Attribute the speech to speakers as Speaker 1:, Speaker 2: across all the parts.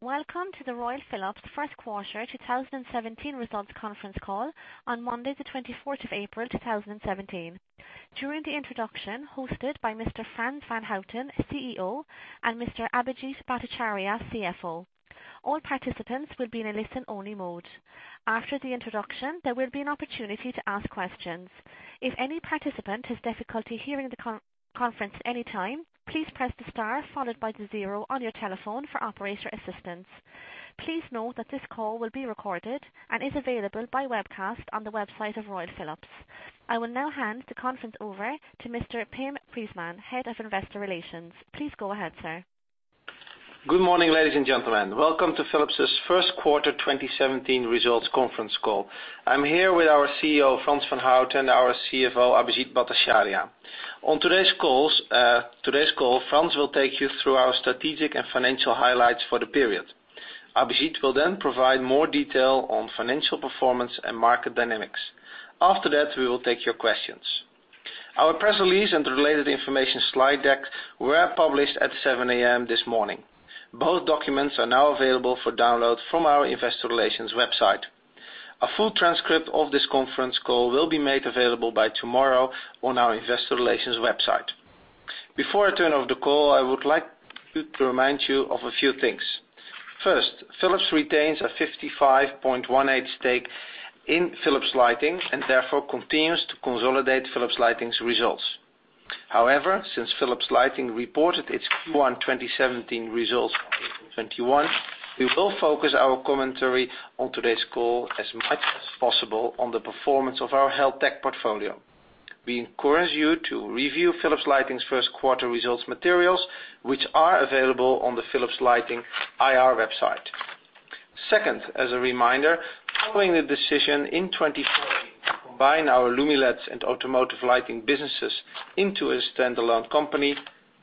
Speaker 1: Welcome to the Royal Philips First Quarter 2017 Results Conference Call on Monday, the 24th of April, 2017. During the introduction, hosted by Mr. Frans van Houten, CEO, and Mr. Abhijit Bhattacharya, CFO. All participants will be in a listen-only mode. After the introduction, there will be an opportunity to ask questions. If any participant has difficulty hearing the conference at any time, please press the star followed by the zero on your telephone for operator assistance. Please note that this call will be recorded and is available by webcast on the website of Royal Philips. I will now hand the conference over to Mr. Pim Preesman, Head of Investor Relations. Please go ahead, sir.
Speaker 2: Good morning, ladies and gentlemen. Welcome to Philips' first quarter 2017 results conference call. I am here with our CEO, Frans van Houten, and our CFO, Abhijit Bhattacharya. On today's call, Frans will take you through our strategic and financial highlights for the period. Abhijit will then provide more detail on financial performance and market dynamics. After that, we will take your questions. Our press release and related information slide deck were published at 7:00 A.M. this morning. Both documents are now available for download from our investor relations website. A full transcript of this conference call will be made available by tomorrow on our investor relations website. Before I turn over the call, I would like to remind you of a few things. First, Philips retains a 55.18 stake in Philips Lighting and therefore continues to consolidate Philips Lighting's results. Since Philips Lighting reported its Q1 2017 results on April 21, we will focus our commentary on today's call as much as possible on the performance of our HealthTech portfolio. We encourage you to review Philips Lighting's first quarter results materials, which are available on the Philips Lighting IR website. Second, as a reminder, following the decision in 2014 to combine our Lumileds and Automotive Lighting businesses into a standalone company,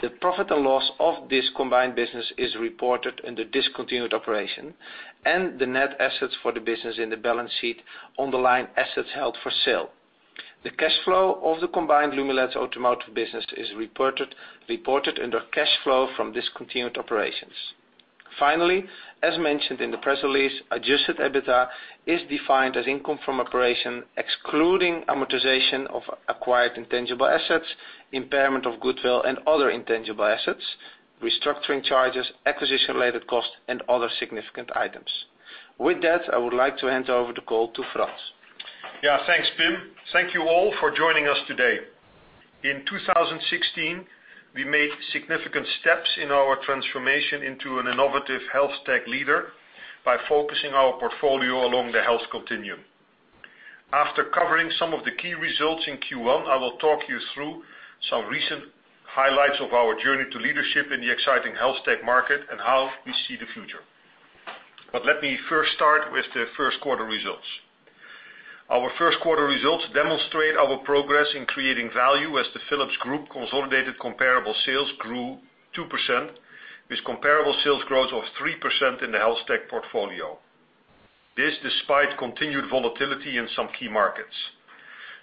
Speaker 2: the profit and loss of this combined business is reported in the discontinued operation, and the net assets for the business in the balance sheet on the line assets held for sale. The cash flow of the combined Lumileds Automotive business is reported under cash flow from discontinued operations. Finally, as mentioned in the press release, adjusted EBITDA is defined as income from operation, excluding amortization of acquired intangible assets, impairment of goodwill and other intangible assets, restructuring charges, acquisition-related costs, and other significant items. With that, I would like to hand over the call to Frans.
Speaker 3: Thanks, Pim. Thank you all for joining us today. In 2016, we made significant steps in our transformation into an innovative HealthTech leader by focusing our portfolio along the health continuum. After covering some of the key results in Q1, I will talk you through some recent highlights of our journey to leadership in the exciting HealthTech market and how we see the future. Let me first start with the first quarter results. Our first quarter results demonstrate our progress in creating value as the Philips Group consolidated comparable sales grew 2%, with comparable sales growth of 3% in the HealthTech portfolio. This, despite continued volatility in some key markets.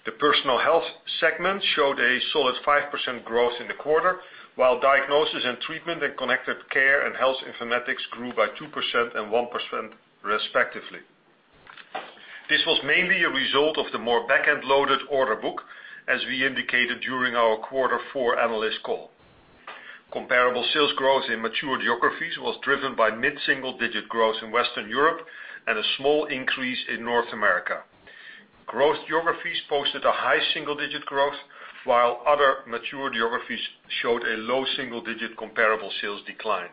Speaker 3: The Personal Health segment showed a solid 5% growth in the quarter, while Diagnosis and Treatment and Connected Care & Health Informatics grew by 2% and 1% respectively. This was mainly a result of the more back-end loaded order book, as we indicated during our Quarter 4 analyst call. Comparable sales growth in mature geographies was driven by mid-single digit growth in Western Europe and a small increase in North America. Growth geographies posted a high single-digit growth, while other mature geographies showed a low single-digit comparable sales decline.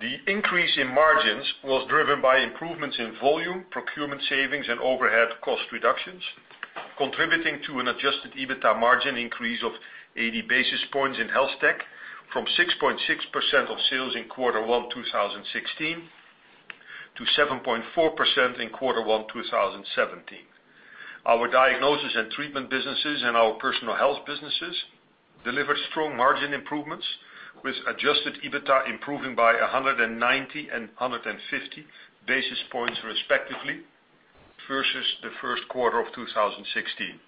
Speaker 3: The increase in margins was driven by improvements in volume, procurement savings, overhead cost reductions, contributing to an adjusted EBITDA margin increase of 80 basis points in HealthTech from 6.6% of sales in Quarter 1, 2016, to 7.4% in Quarter 1, 2017. Our Diagnosis and Treatment businesses and our Personal Health businesses delivered strong margin improvements, with adjusted EBITDA improving by 190 and 150 basis points respectively, versus the first quarter of 2016.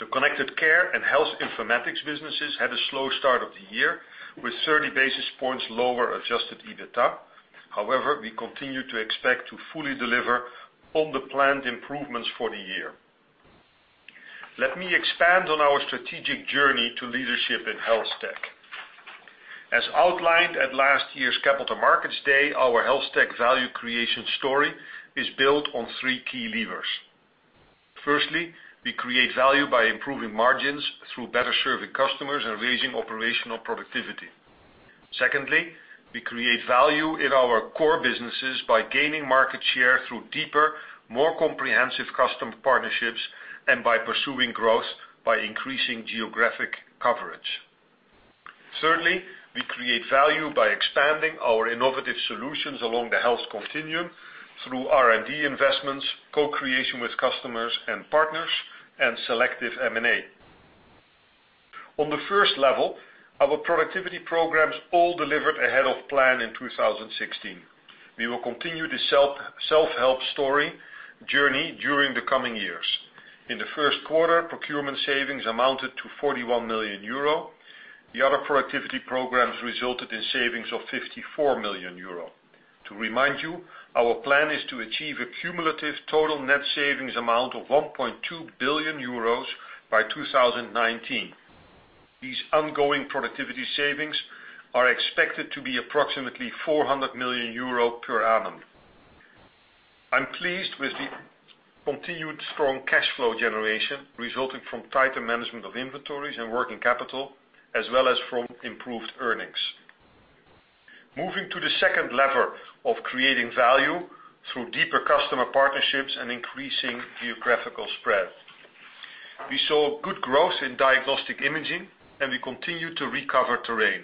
Speaker 3: The Connected Care & Health Informatics businesses had a slow start of the year, with 30 basis points lower adjusted EBITDA. However, we continue to expect to fully deliver on the planned improvements for the year. Let me expand on our strategic journey to leadership in HealthTech. As outlined at last year's Capital Markets Day, our HealthTech value creation story is built on three key levers. Firstly, we create value by improving margins through better serving customers and raising operational productivity. Secondly, we create value in our core businesses by gaining market share through deeper, more comprehensive customer partnerships and by pursuing growth by increasing geographic coverage. Thirdly, we create value by expanding our innovative solutions along the health continuum through R&D investments, co-creation with customers and partners, and selective M&A. On the first level, our productivity programs all delivered ahead of plan in 2016. We will continue the self-help story journey during the coming years. In the first quarter, procurement savings amounted to 41 million euro. The other productivity programs resulted in savings of 54 million euro. To remind you, our plan is to achieve a cumulative total net savings amount of 1.2 billion euros by 2019. These ongoing productivity savings are expected to be approximately 400 million euro per annum. I'm pleased with the continued strong cash flow generation resulting from tighter management of inventories and working capital, as well as from improved earnings. Moving to the second lever of creating value through deeper customer partnerships and increasing geographical spread. We saw good growth in diagnostic imaging, and we continue to recover terrain.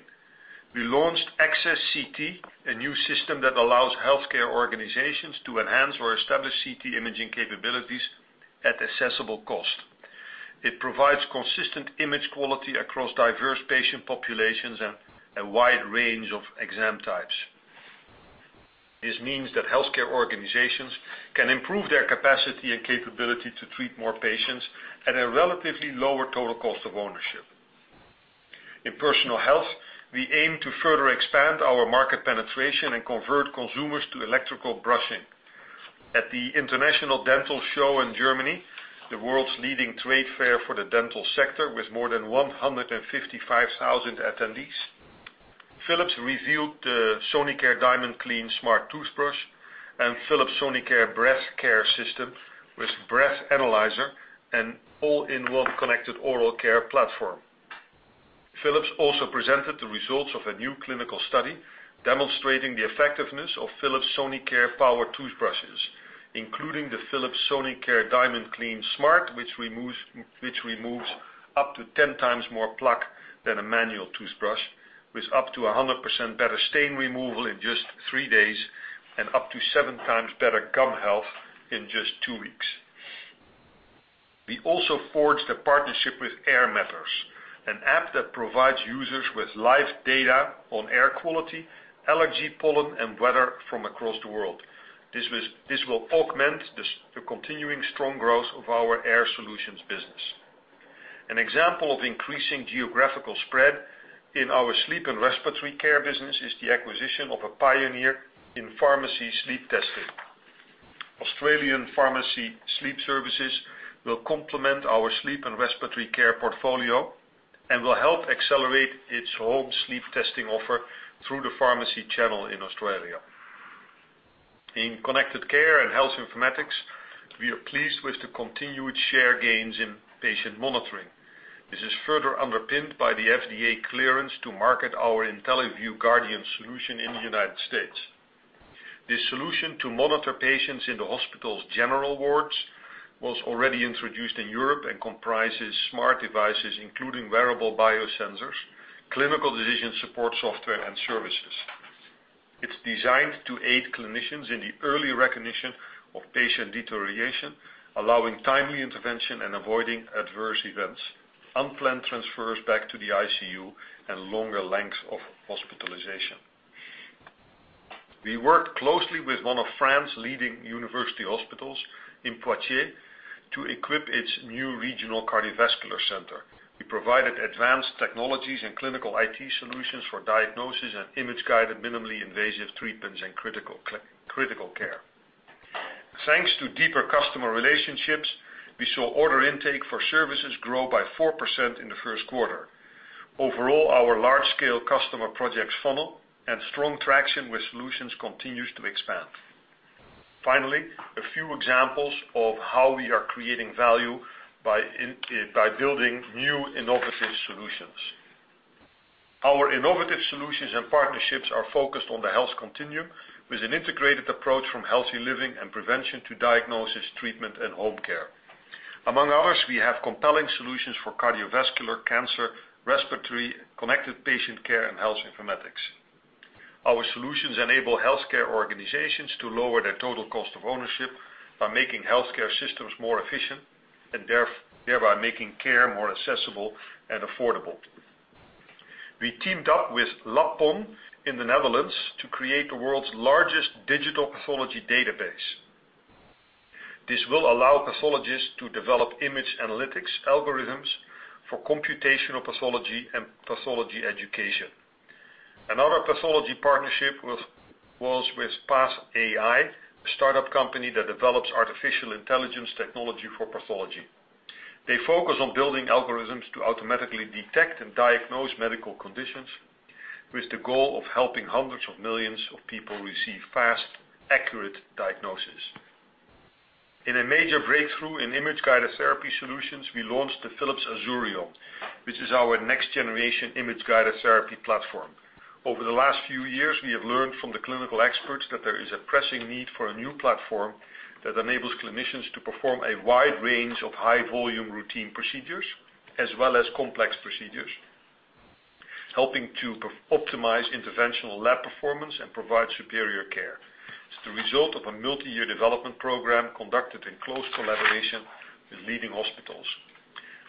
Speaker 3: We launched Access CT, a new system that allows healthcare organizations to enhance or establish CT imaging capabilities at accessible cost. It provides consistent image quality across diverse patient populations and a wide range of exam types. This means that healthcare organizations can improve their capacity and capability to treat more patients at a relatively lower total cost of ownership. In personal health, we aim to further expand our market penetration and convert consumers to electrical brushing. At the International Dental Show in Germany, the world's leading trade fair for the dental sector, with more than 155,000 attendees, Philips revealed the Sonicare DiamondClean Smart toothbrush and Philips Sonicare breath care system with breath analyzer and all-in-one connected oral care platform. Philips also presented the results of a new clinical study demonstrating the effectiveness of Philips Sonicare power toothbrushes, including the Philips Sonicare DiamondClean Smart, which removes up to 10 times more plaque than a manual toothbrush, with up to 100% better stain removal in just three days and up to seven times better gum health in just two weeks. We also forged a partnership with Air Matters, an app that provides users with live data on air quality, allergy, pollen, and weather from across the world. This will augment the continuing strong growth of our air solutions business. An example of increasing geographical spread in our sleep and respiratory care business is the acquisition of a pioneer in pharmacy sleep testing. Australian Pharmacy Sleep Services will complement our sleep and respiratory care portfolio and will help accelerate its home sleep testing offer through the pharmacy channel in Australia. In Connected Care & Health Informatics, we are pleased with the continued share gains in patient monitoring. This is further underpinned by the FDA clearance to market our IntelliVue Guardian solution in the U.S. This solution to monitor patients in the hospital's general wards was already introduced in Europe and comprises smart devices, including wearable biosensors, clinical decision support software, and services. It's designed to aid clinicians in the early recognition of patient deterioration, allowing timely intervention and avoiding adverse events, unplanned transfers back to the ICU, and longer lengths of hospitalization. We worked closely with one of France's leading university hospitals in Poitiers to equip its new regional cardiovascular center. We provided advanced technologies and clinical IT solutions for diagnosis and image-guided, minimally invasive treatments, and critical care. Thanks to deeper customer relationships, we saw order intake for services grow by 4% in the first quarter. Overall, our large-scale customer projects funnel and strong traction with solutions continues to expand. Finally, a few examples of how we are creating value by building new innovative solutions. Our innovative solutions and partnerships are focused on the health continuum with an integrated approach from healthy living and prevention to diagnosis, treatment, and home care. Among others, we have compelling solutions for cardiovascular, cancer, respiratory, connected patient care, and health informatics. Our solutions enable healthcare organizations to lower their total cost of ownership by making healthcare systems more efficient and thereby making care more accessible and affordable. We teamed up with LabPON in the Netherlands to create the world's largest digital pathology database. This will allow pathologists to develop image analytics algorithms for computational pathology and pathology education. Another pathology partnership was with PathAI, a start-up company that develops artificial intelligence technology for pathology. They focus on building algorithms to automatically detect and diagnose medical conditions with the goal of helping hundreds of millions of people receive fast, accurate diagnosis. In a major breakthrough in image-guided therapy solutions, we launched the Philips Azurion, which is our next generation image-guided therapy platform. Over the last few years, we have learned from the clinical experts that there is a pressing need for a new platform that enables clinicians to perform a wide range of high volume routine procedures as well as complex procedures, helping to optimize interventional lab performance and provide superior care. It's the result of a multi-year development program conducted in close collaboration with leading hospitals.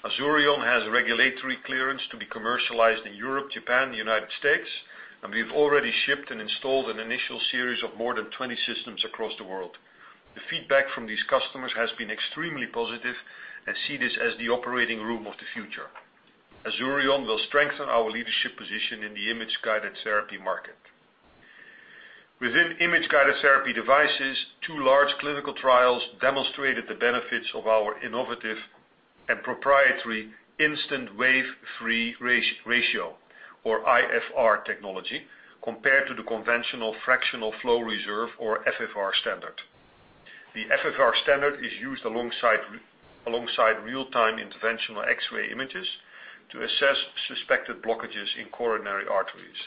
Speaker 3: Azurion has regulatory clearance to be commercialized in Europe, Japan, the U.S., and we've already shipped and installed an initial series of more than 20 systems across the world. The feedback from these customers has been extremely positive and see this as the operating room of the future. Azurion will strengthen our leadership position in the image-guided therapy market. Within image-guided therapy devices, two large clinical trials demonstrated the benefits of our innovative and proprietary instant wave free ratio, or IFR technology, compared to the conventional fractional flow reserve or FFR standard. The FFR standard is used alongside real-time interventional X-ray images to assess suspected blockages in coronary arteries.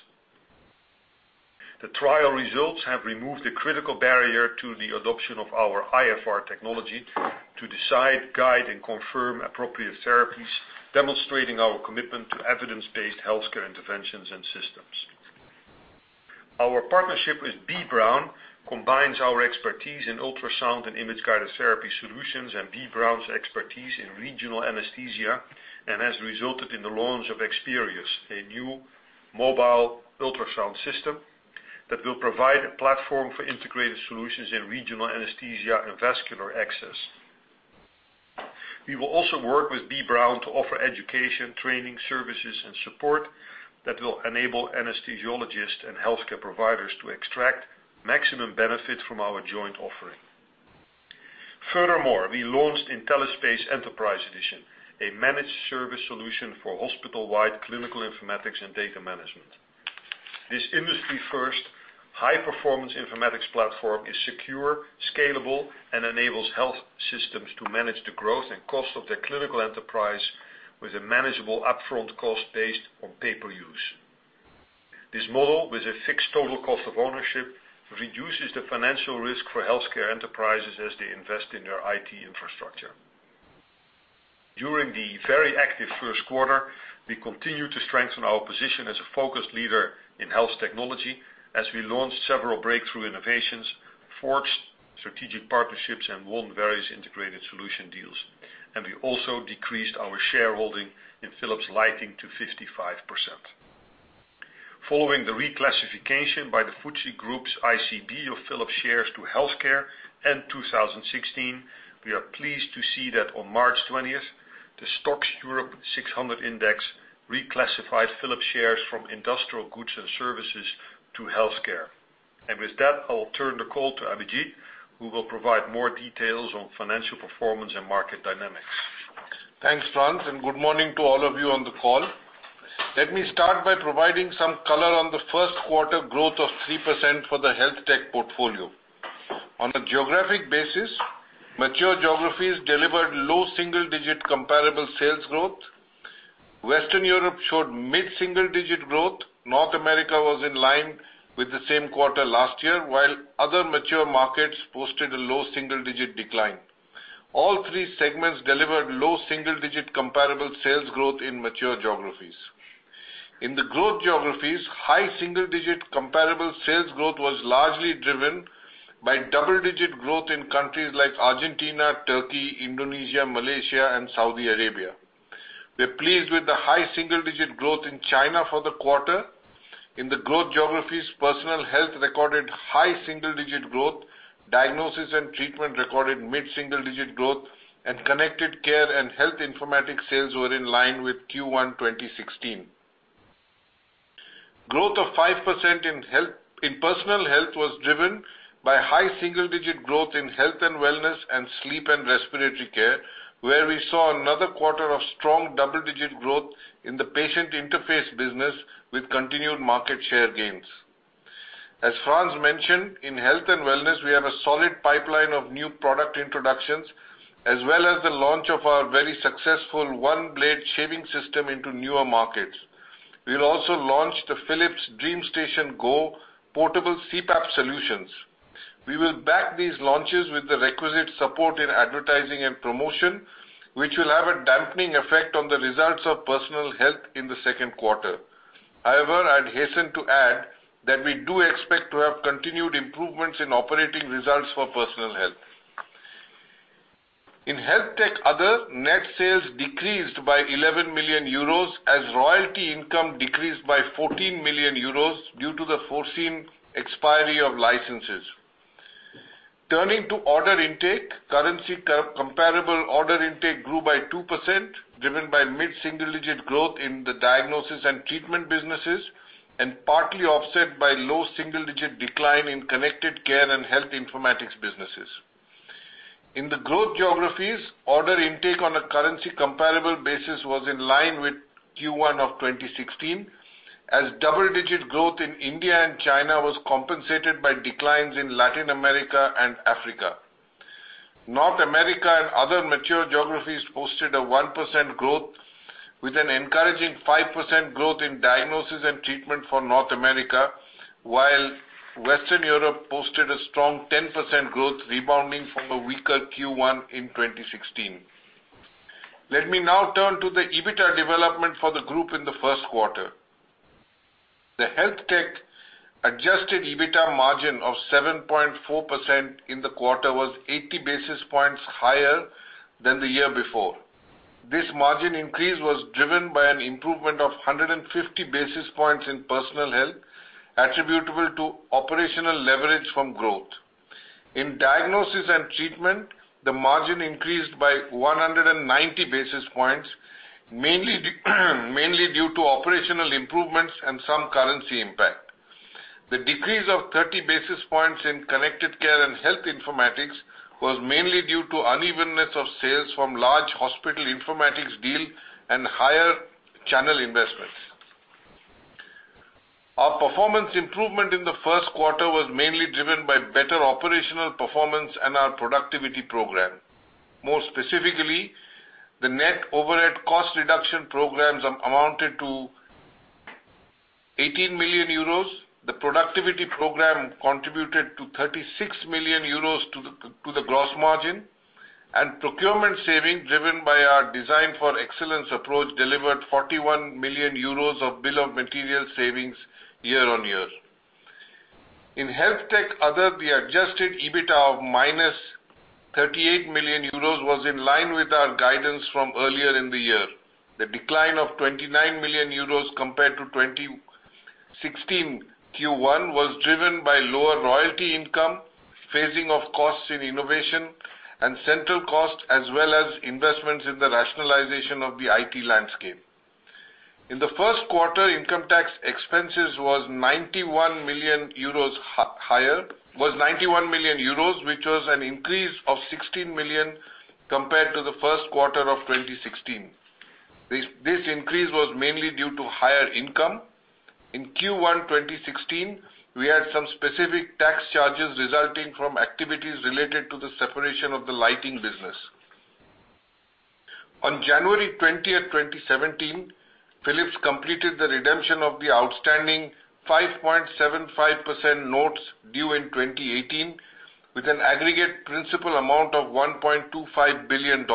Speaker 3: The trial results have removed the critical barrier to the adoption of our IFR technology to decide, guide, and confirm appropriate therapies, demonstrating our commitment to evidence-based healthcare interventions and systems. Our partnership with B. Braun combines our expertise in ultrasound and image-guided therapy solutions and B. Braun's expertise in regional anesthesia and has resulted in the launch of Xperius, a new mobile ultrasound system that will provide a platform for integrated solutions in regional anesthesia and vascular access. We will also work with B. Braun to offer education, training, services, and support that will enable anesthesiologists and healthcare providers to extract maximum benefit from our joint offering. Furthermore, we launched IntelliSpace Enterprise Edition, a managed service solution for hospital-wide clinical informatics and data management. This industry-first high-performance informatics platform is secure, scalable, and enables health systems to manage the growth and cost of their clinical enterprise with a manageable upfront cost based on pay per use. This model, with a fixed total cost of ownership, reduces the financial risk for healthcare enterprises as they invest in their IT infrastructure. During the very active first quarter, we continued to strengthen our position as a focused leader in health technology as we launched several breakthrough innovations, forged strategic partnerships, and won various integrated solution deals, and we also decreased our shareholding in Philips Lighting to 55%. Following the reclassification by the FTSE Group's ICB of Philips shares to healthcare in 2016, we are pleased to see that on March 20th, the STOXX Europe 600 Index reclassified Philips shares from industrial goods and services to healthcare. With that, I will turn the call to Abhijit, who will provide more details on financial performance and market dynamics.
Speaker 4: Thanks, Frans, and good morning to all of you on the call. Let me start by providing some color on the first quarter growth of 3% for the Health Tech portfolio. On a geographic basis, mature geographies delivered low single-digit comparable sales growth. Western Europe showed mid-single digit growth. North America was in line with the same quarter last year, while other mature markets posted a low single-digit decline. All three segments delivered low single-digit comparable sales growth in mature geographies. In the growth geographies, high single-digit comparable sales growth was largely driven by double-digit growth in countries like Argentina, Turkey, Indonesia, Malaysia, and Saudi Arabia. We are pleased with the high single-digit growth in China for the quarter. In the growth geographies, Personal Health recorded high single-digit growth, Diagnosis and Treatment recorded mid-single digit growth, and Connected Care and Health Informatics sales were in line with Q1 2016. Growth of 5% in Personal Health was driven by high single-digit growth in health and wellness and sleep and respiratory care, where we saw another quarter of strong double-digit growth in the patient interface business with continued market share gains. As Frans mentioned, in health and wellness, we have a solid pipeline of new product introductions, as well as the launch of our very successful OneBlade shaving system into newer markets. We'll also launch the Philips DreamStation Go portable CPAP solutions. We will back these launches with the requisite support in advertising and promotion, which will have a dampening effect on the results of Personal Health in the second quarter. However, I'd hasten to add that we do expect to have continued improvements in operating results for Personal Health. In Health Tech Other, net sales decreased by 11 million euros as royalty income decreased by 14 million euros due to the foreseen expiry of licenses. Turning to order intake, currency comparable order intake grew by 2%, driven by mid-single digit growth in the Diagnosis and Treatment businesses, partly offset by low single-digit decline in Connected Care and Health Informatics businesses. In the growth geographies, order intake on a currency comparable basis was in line with Q1 2016, as double-digit growth in India and China was compensated by declines in Latin America and Africa. North America and other mature geographies posted a 1% growth with an encouraging 5% growth in Diagnosis and Treatment for North America, while Western Europe posted a strong 10% growth rebounding from a weaker Q1 2016. Let me now turn to the EBITA development for the group in the first quarter. The Health Tech adjusted EBITDA margin of 7.4% in the quarter was 80 basis points higher than the year before. This margin increase was driven by an improvement of 150 basis points in Personal Health, attributable to operational leverage from growth. In Diagnosis and Treatment, the margin increased by 190 basis points, mainly due to operational improvements and some currency impact. The decrease of 30 basis points in Connected Care and Health Informatics was mainly due to unevenness of sales from large hospital informatics deal and higher channel investments. Our performance improvement in the first quarter was mainly driven by better operational performance and our productivity program. More specifically, the net overhead cost reduction programs amounted to 18 million euros. The productivity program contributed 36 million euros to the gross margin, and procurement saving driven by our Design for Excellence approach delivered 41 million euros of bill of material savings year-on-year. In Health Tech Other, the adjusted EBITDA of minus 38 million euros was in line with our guidance from earlier in the year. The decline of 29 million euros compared to 2016 Q1 was driven by lower royalty income, phasing of costs in innovation, and central costs, as well as investments in the rationalization of the IT landscape. In the first quarter, income tax expenses was 91 million euros, which was an increase of 16 million compared to the first quarter of 2016. This increase was mainly due to higher income. In Q1 2016, we had some specific tax charges resulting from activities related to the separation of the lighting business. On January 20, 2017, Philips completed the redemption of the outstanding 5.75% notes due in 2018 with an aggregate principal amount of $1.25 billion.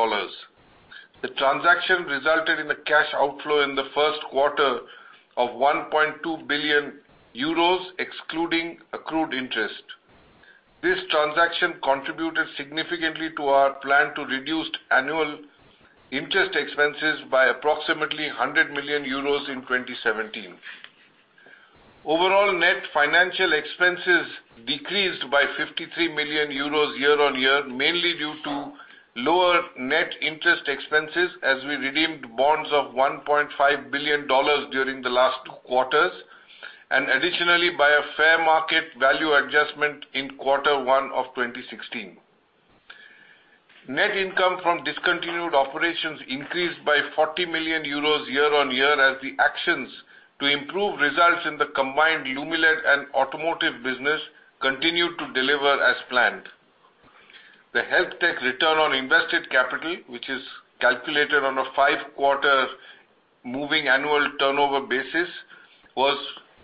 Speaker 4: The transaction resulted in a cash outflow in the first quarter of 1.2 billion euros, excluding accrued interest. This transaction contributed significantly to our plan to reduce annual interest expenses by approximately 100 million euros in 2017. Overall, net financial expenses decreased by 53 million euros year-on-year, mainly due to lower net interest expenses as we redeemed bonds of $1.5 billion during the last two quarters, and additionally by a fair market value adjustment in Q1 2016. Net income from discontinued operations increased by 40 million euros year-on-year as the actions to improve results in the combined Lumileds and Automotive Lighting continued to deliver as planned. The Health Tech return on invested capital, which is calculated on a five-quarter moving annual turnover basis, was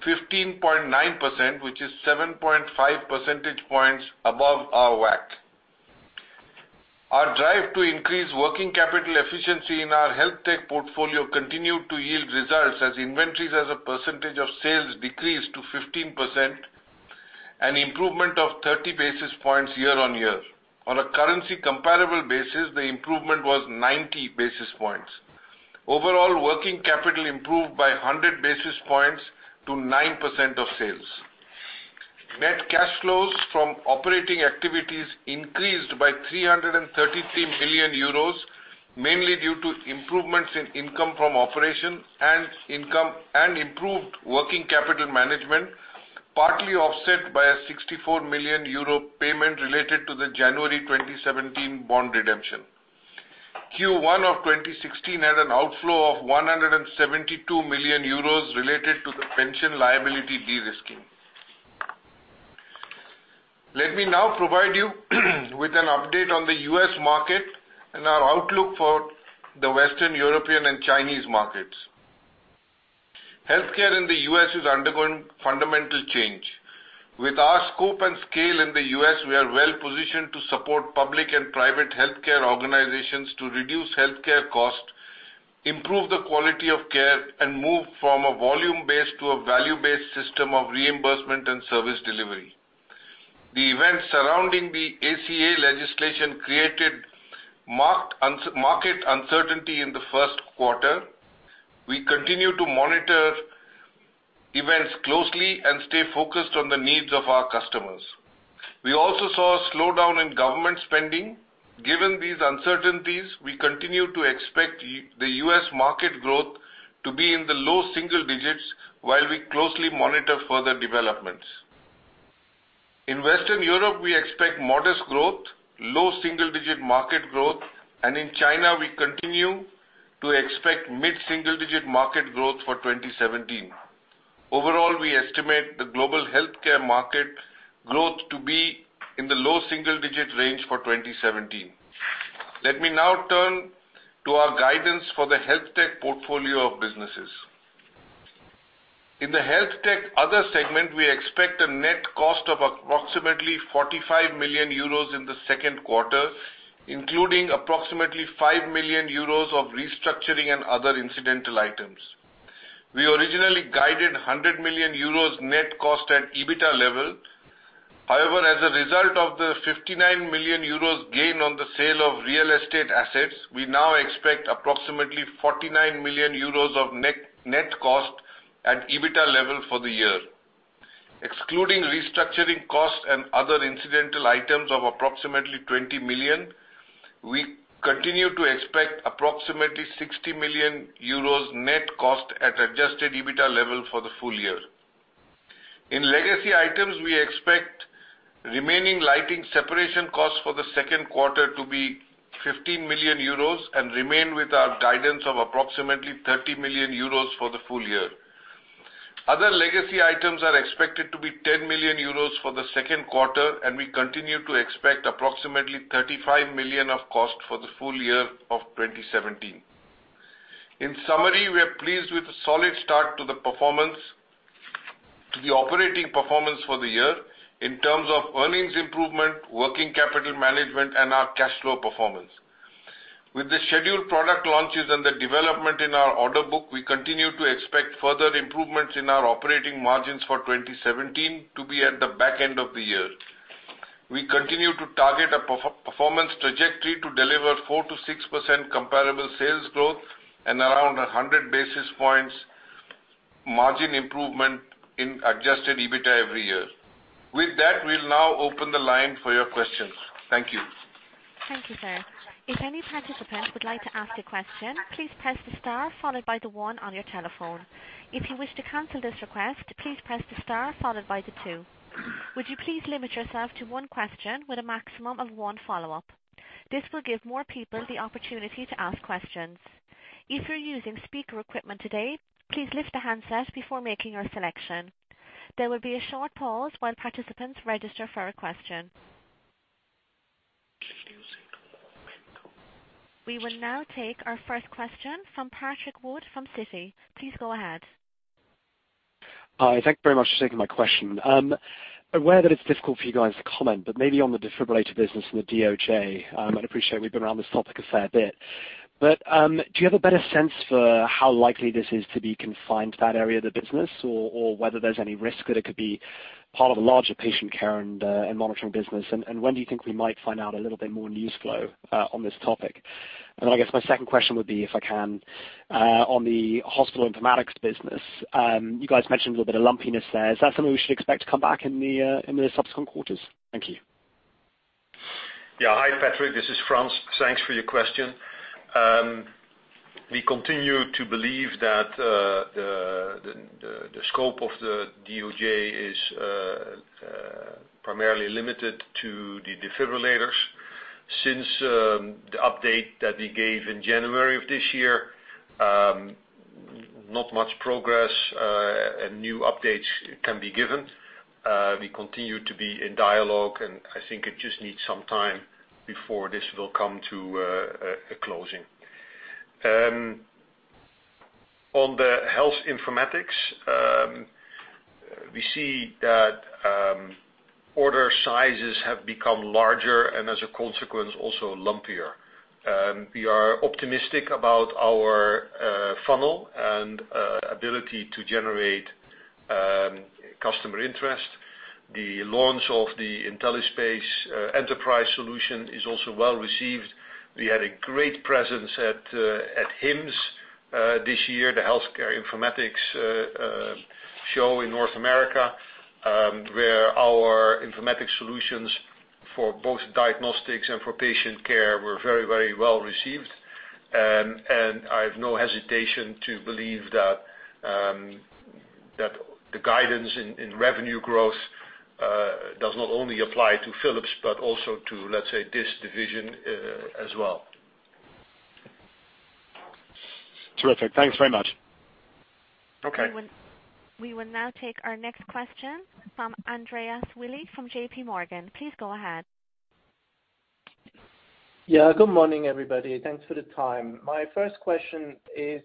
Speaker 4: 15.9%, which is 7.5 percentage points above our WACC. Our drive to increase working capital efficiency in our Health Tech portfolio continued to yield results as inventories as a percentage of sales decreased to 15%, an improvement of 30 basis points year-on-year. On a currency comparable basis, the improvement was 90 basis points. Overall, working capital improved by 100 basis points to 9% of sales. Net cash flows from operating activities increased by 333 million euros, mainly due to improvements in income from operations and improved working capital management, partly offset by a 64 million euro payment related to the January 2017 bond redemption. Q1 2016 had an outflow of 172 million euros related to the pension liability de-risking. Let me now provide you with an update on the U.S. market and our outlook for the Western European and Chinese markets. Healthcare in the U.S. is undergoing fundamental change. With our scope and scale in the U.S., we are well-positioned to support public and private healthcare organizations to reduce healthcare costs, improve the quality of care, and move from a volume-based to a value-based system of reimbursement and service delivery. The events surrounding the ACA legislation created market uncertainty in the first quarter. We continue to monitor events closely and stay focused on the needs of our customers. We also saw a slowdown in government spending. Given these uncertainties, we continue to expect the U.S. market growth to be in the low single digits while we closely monitor further developments. In Western Europe, we expect modest growth, low single-digit market growth, in China, we continue to expect mid-single-digit market growth for 2017. Overall, we estimate the global healthcare market growth to be in the low single-digit range for 2017. Let me now turn to our guidance for the Health Tech portfolio of businesses. In the Health Tech Other segment, we expect a net cost of approximately 45 million euros in the second quarter, including approximately 5 million euros of restructuring and other incidental items. We originally guided 100 million euros net cost at EBITDA level. However, as a result of the 59 million euros gain on the sale of real estate assets, we now expect approximately 49 million euros of net cost at EBITDA level for the year. Excluding restructuring costs and other incidental items of approximately 20 million, we continue to expect approximately 60 million euros net cost at adjusted EBITDA level for the full year. In legacy items, we expect remaining lighting separation costs for the second quarter to be 15 million euros and remain with our guidance of approximately 30 million euros for the full year. Other legacy items are expected to be 10 million euros for the second quarter, and we continue to expect approximately 35 million of cost for the full year of 2017. In summary, we are pleased with the solid start to the operating performance for the year in terms of earnings improvement, working capital management, and our cash flow performance. With the scheduled product launches and the development in our order book, we continue to expect further improvements in our operating margins for 2017 to be at the back end of the year. We continue to target a performance trajectory to deliver 4%-6% comparable sales growth and around 100 basis points margin improvement in adjusted EBITDA every year. With that, we'll now open the line for your questions. Thank you.
Speaker 1: Thank you, sir. If any participant would like to ask a question, please press the star followed by the one on your telephone. If you wish to cancel this request, please press the star followed by the two. Would you please limit yourself to one question with a maximum of one follow-up? This will give more people the opportunity to ask questions. If you're using speaker equipment today, please lift the handset before making your selection. There will be a short pause while participants register for a question. We will now take our first question from Patrick Wood from Citi. Please go ahead.
Speaker 5: Hi. Thank you very much for taking my question. I'm aware that it's difficult for you guys to comment, but maybe on the defibrillator business and the DOJ, and I appreciate we've been around this topic a fair bit. Do you have a better sense for how likely this is to be confined to that area of the business, or whether there's any risk that it could be part of a larger patient care and monitoring business? When do you think we might find out a little bit more news flow on this topic? I guess my second question would be, if I can, on the hospital informatics business. You guys mentioned a little bit of lumpiness there. Is that something we should expect to come back in the subsequent quarters? Thank you.
Speaker 3: Hi, Patrick. This is Frans. Thanks for your question. We continue to believe that the scope of the DOJ is primarily limited to the defibrillators. Since the update that we gave in January of this year, not much progress and new updates can be given. We continue to be in dialogue, and I think it just needs some time before this will come to a closing. On the health informatics, we see that order sizes have become larger and as a consequence, also lumpier. We are optimistic about our funnel and ability to generate customer interest. The launch of the IntelliSpace Enterprise solution is also well received. We had a great presence at HIMSS this year, the healthcare informatics show in North America, where our informatics solutions for both diagnostics and for patient care were very well received. I have no hesitation to believe that the guidance in revenue growth does not only apply to Philips but also to, let's say, this division as well.
Speaker 5: Terrific. Thanks very much.
Speaker 3: Okay.
Speaker 1: We will now take our next question from Andreas Willi from J.P. Morgan. Please go ahead.
Speaker 6: Good morning, everybody. Thanks for the time. My first question is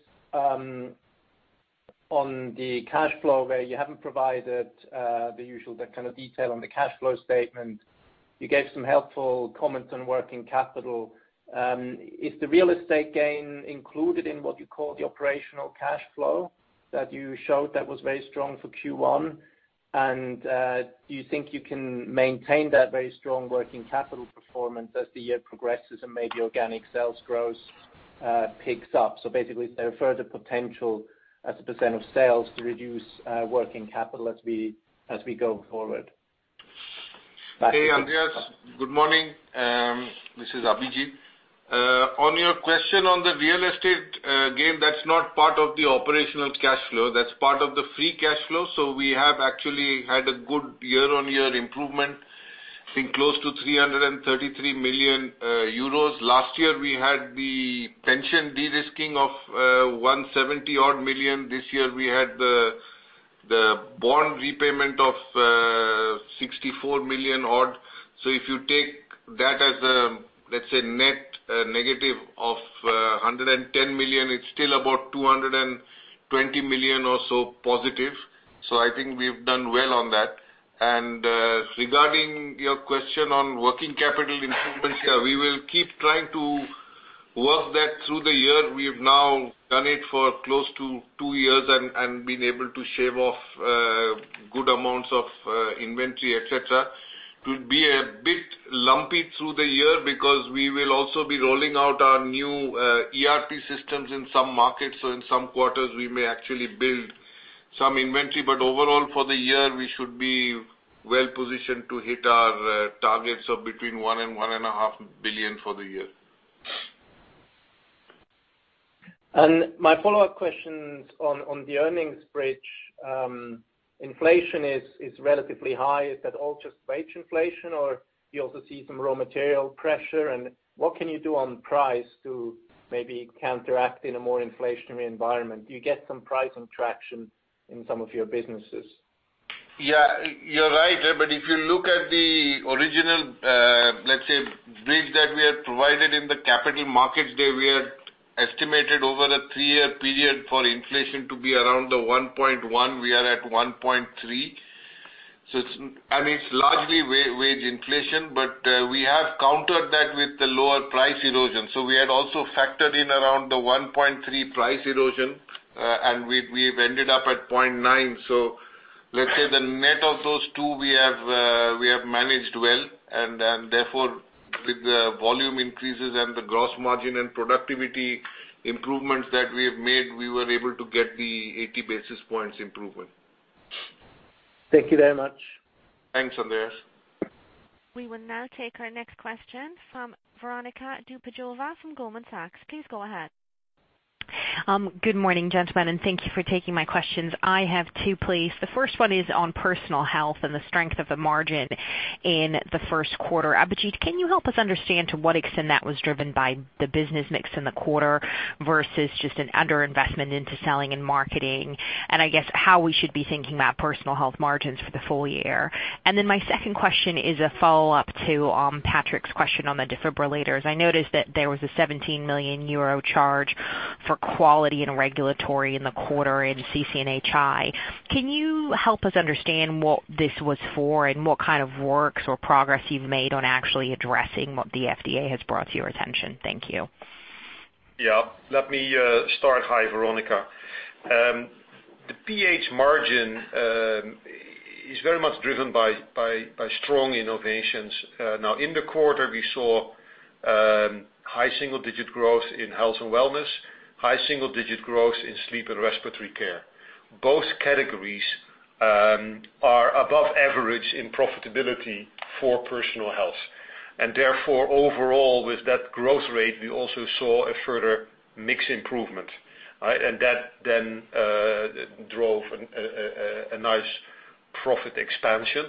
Speaker 6: on the cash flow, where you haven't provided the usual kind of detail on the cash flow statement. You gave some helpful comments on working capital. Is the real estate gain included in what you call the operational cash flow that you showed that was very strong for Q1? And do you think you can maintain that very strong working capital performance as the year progresses and maybe organic sales growth picks up? Basically, is there further potential as a percent of sales to reduce working capital as we go forward?
Speaker 4: Hey, Andreas. Good morning. This is Abhijit. On your question on the real estate gain, that's not part of the operational cash flow. That's part of the free cash flow. We have actually had a good year-on-year improvement, I think close to 333 million euros. Last year, we had the pension de-risking of 170 odd million. This year, we had the bond repayment of 64 million odd. If you take that as, let's say net a negative of 110 million. It's still about 220 million or so positive. I think we've done well on that. Regarding your question on working capital improvements, we will keep trying to work that through the year. We have now done it for close to two years and been able to shave off good amounts of inventory, et cetera. To be a bit lumpy through the year, because we will also be rolling out our new ERP systems in some markets. In some quarters, we may actually build some inventory. Overall, for the year, we should be well-positioned to hit our targets of between 1 billion and 1.5 billion for the year.
Speaker 6: My follow-up question on the earnings bridge. Inflation is relatively high. Is that all just wage inflation, or do you also see some raw material pressure? What can you do on price to maybe counteract in a more inflationary environment? Do you get some price traction in some of your businesses?
Speaker 4: Yeah, you're right. If you look at the original, let's say, bridge that we had provided in the Capital Markets Day, we had estimated over a 3-year period for inflation to be around the 1.1. We are at 1.3. It's largely wage inflation. We have countered that with the lower price erosion. We had also factored in around the 1.3 price erosion, and we've ended up at 0.9. Let's say the net of those two, we have managed well. Therefore, with the volume increases and the gross margin and productivity improvements that we have made, we were able to get the 80 basis points improvement.
Speaker 6: Thank you very much.
Speaker 4: Thanks, Andreas.
Speaker 1: We will now take our next question from Veronika Dubajova from Goldman Sachs. Please go ahead.
Speaker 7: Good morning, gentlemen, thank you for taking my questions. I have two, please. The first one is on personal health and the strength of the margin in the first quarter. Abhijit, can you help us understand to what extent that was driven by the business mix in the quarter versus just an under-investment into selling and marketing? I guess, how we should be thinking about personal health margins for the full year. My second question is a follow-up to Patrick's question on the defibrillators. I noticed that there was a 17 million euro charge for quality and regulatory in the quarter in CC&HI. Can you help us understand what this was for and what kind of works or progress you've made on actually addressing what the FDA has brought to your attention? Thank you.
Speaker 4: Let me start. Hi, Veronika. The PH margin is very much driven by strong innovations. Now, in the quarter, we saw high single-digit growth in health and wellness, high single-digit growth in sleep and respiratory care. Both categories are above average in profitability for personal health. Therefore, overall, with that growth rate, we also saw a further mix improvement. That then drove a nice profit expansion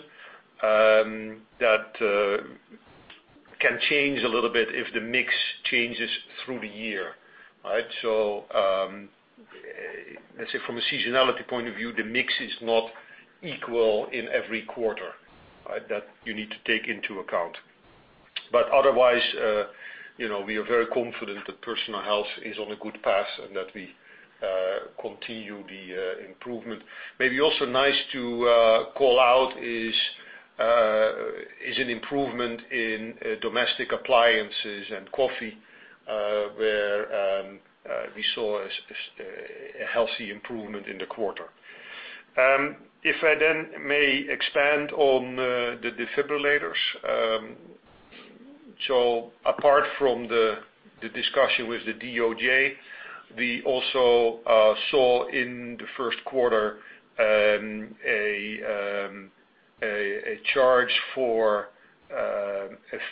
Speaker 4: that can change a little bit if the mix changes through the year. Let's say from a seasonality point of view, the mix is not equal in every quarter. That you need to take into account. Otherwise, we are very confident that personal health is on a good path and that we continue the improvement. Maybe also nice to call out is an improvement in domestic appliances and coffee, where we saw a healthy improvement in the quarter. If I then may expand on the defibrillators. Apart from the discussion with the DOJ, we also saw in the first quarter, a charge for a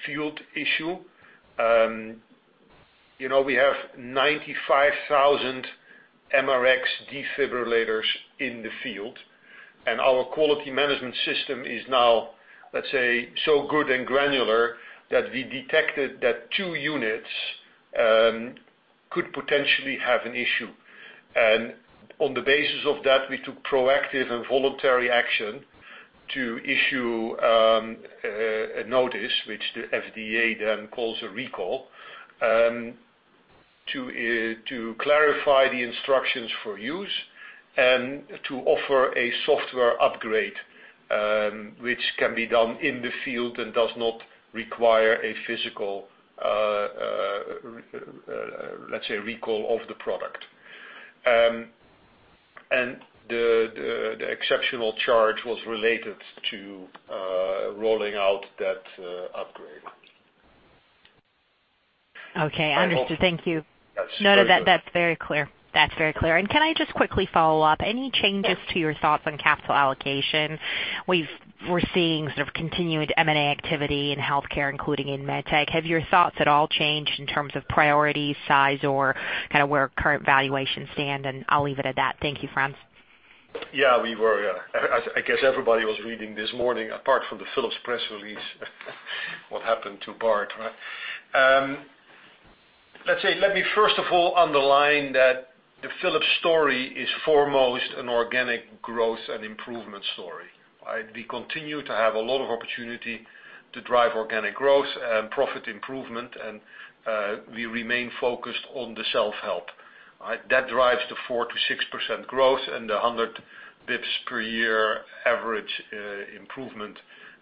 Speaker 4: field issue. We have 95,000 MRX defibrillators in the field, our quality management system is now, let's say, so good and granular that we detected that two units could potentially have an issue. On the basis of that, we took proactive and voluntary action to issue a notice, which the FDA then calls a recall, to clarify the instructions for use and to offer a software upgrade, which can be done in the field and does not require a physical, let's say, recall of the product. The exceptional charge was related to rolling out that upgrade.
Speaker 7: Okay. Understood. Thank you.
Speaker 4: That's very good.
Speaker 7: No, that's very clear. Can I just quickly follow up? Any changes to your thoughts on capital allocation? We're seeing sort of continued M&A activity in healthcare, including in MedTech. Have your thoughts at all changed in terms of priority, size, or kind of where current valuations stand? I'll leave it at that. Thank you, Frans.
Speaker 3: Yeah. I guess everybody was reading this morning, apart from the Philips press release, what happened to Bard. Let me first of all underline that the Philips story is foremost an organic growth and improvement story. We continue to have a lot of opportunity to drive organic growth and profit improvement, and we remain focused on the self-help. That drives the 4%-6% growth and the 100 basis points per year average improvement.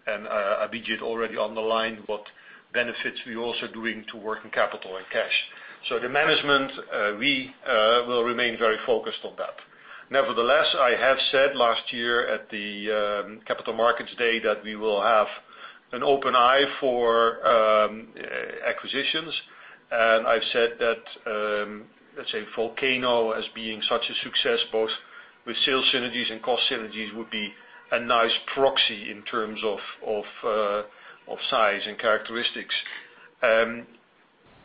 Speaker 3: Abhijit already underlined what benefits we're also doing to working capital and cash. The management, we will remain very focused on that. Nevertheless, I have said last year at the Capital Markets Day that we will have an open eye for acquisitions, and I've said that, let's say Volcano as being such a success, both with sales synergies and cost synergies, would be a nice proxy in terms of size and characteristics.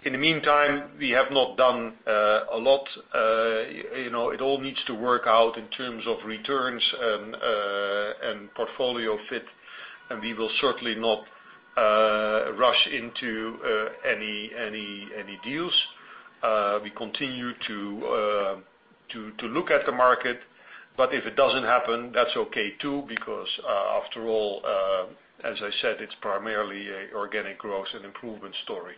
Speaker 3: In the meantime, we have not done a lot. It all needs to work out in terms of returns and portfolio fit, and we will certainly not rush into any deals. We continue to look at the market, but if it doesn't happen, that's okay too, because, after all, as I said, it's primarily a organic growth and improvement story.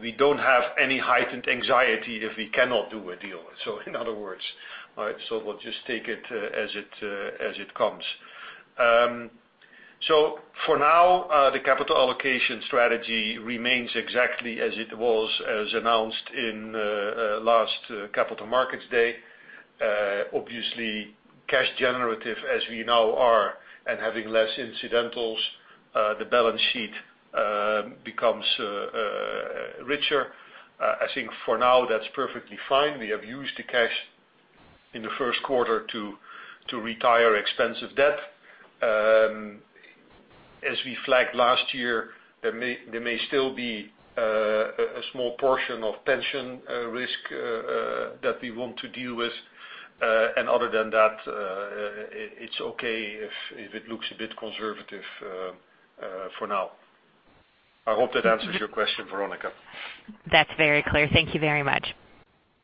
Speaker 3: We don't have any heightened anxiety if we cannot do a deal, in other words. We'll just take it as it comes. For now, the capital allocation strategy remains exactly as it was as announced in last Capital Markets Day. Obviously, cash generative as we now are and having less incidentals, the balance sheet becomes richer. I think for now that's perfectly fine. We have used the cash in the first quarter to retire expensive debt. As we flagged last year, there may still be a small portion of pension risk that we want to deal with. Other than that, it's okay if it looks a bit conservative for now. I hope that answers your question, Veronika.
Speaker 7: That's very clear. Thank you very much.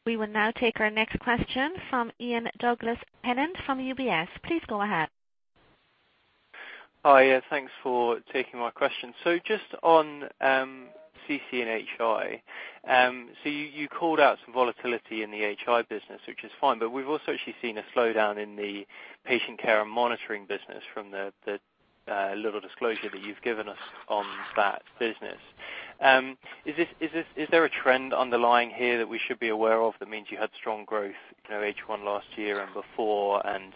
Speaker 1: We will now take our next question from Ian Douglas-Pennant from UBS. Please go ahead.
Speaker 8: Hi. Thanks for taking my question. Just on CC&HI. You called out some volatility in the HI business, which is fine, but we've also actually seen a slowdown in the patient care and monitoring business from the little disclosure that you've given us on that business. Is there a trend underlying here that we should be aware of that means you had strong growth, H1 last year and before and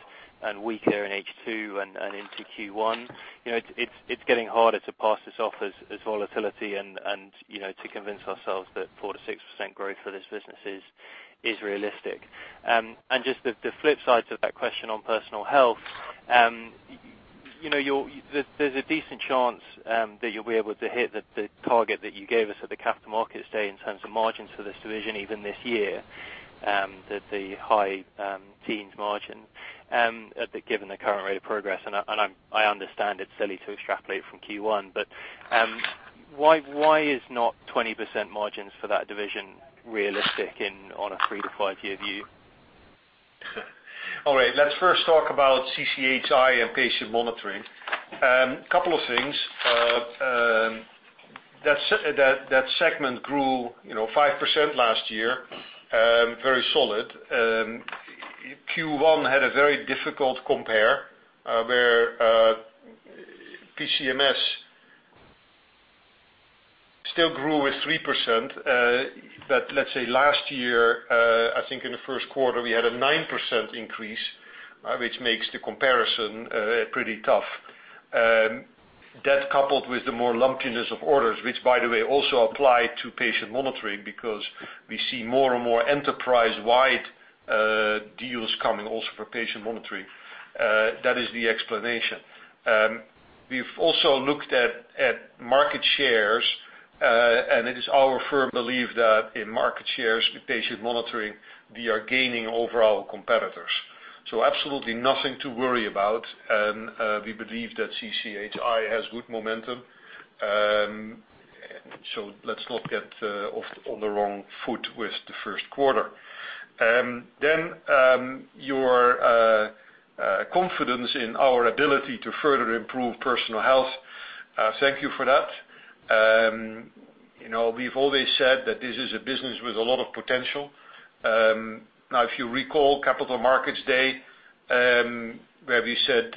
Speaker 8: weaker in H2 and into Q1? It's getting harder to pass this off as volatility and to convince ourselves that 4%-6% growth for this business is realistic. Just the flip side to that question on Personal Health. There's a decent chance that you'll be able to hit the target that you gave us at the Capital Markets Day in terms of margins for this division even this year, the high teens margin, given the current rate of progress, I understand it's silly to extrapolate from Q1, why is not 20% margins for that division realistic on a 3 to 5 year view?
Speaker 3: All right. Let's first talk about CC&HI and patient monitoring. Couple of things. That segment grew 5% last year, very solid. Q1 had a very difficult compare, where PCMS still grew with 3%. Let's say last year, I think in the first quarter, we had a 9% increase, which makes the comparison pretty tough. That coupled with the more lumpiness of orders, which by the way, also apply to patient monitoring because we see more and more enterprise-wide deals coming also for patient monitoring. That is the explanation. We've also looked at market shares, and it is our firm belief that in market shares with patient monitoring, we are gaining over our competitors. Absolutely nothing to worry about. We believe that CC&HI has good momentum. Let's not get off on the wrong foot with the first quarter. Your confidence in our ability to further improve personal health. Thank you for that. We've always said that this is a business with a lot of potential. If you recall Capital Markets Day, where we said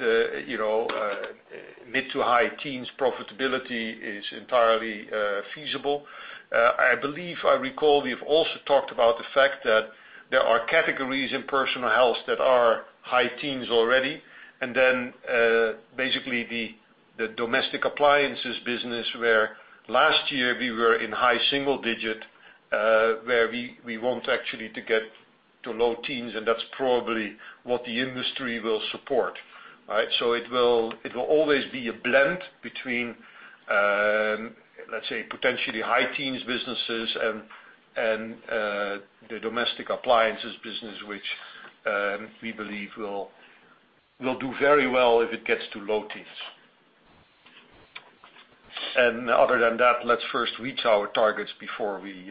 Speaker 3: mid-to-high teens profitability is entirely feasible. I believe I recall we've also talked about the fact that there are categories in personal health that are high teens already, and then basically the domestic appliances business, where last year we were in high single-digit, where we want actually to get to low teens, and that's probably what the industry will support. It will always be a blend between, let's say, potentially high teens businesses and the domestic appliances business, which, we believe will do very well if it gets to low teens.
Speaker 4: Other than that, let's first reach our targets before we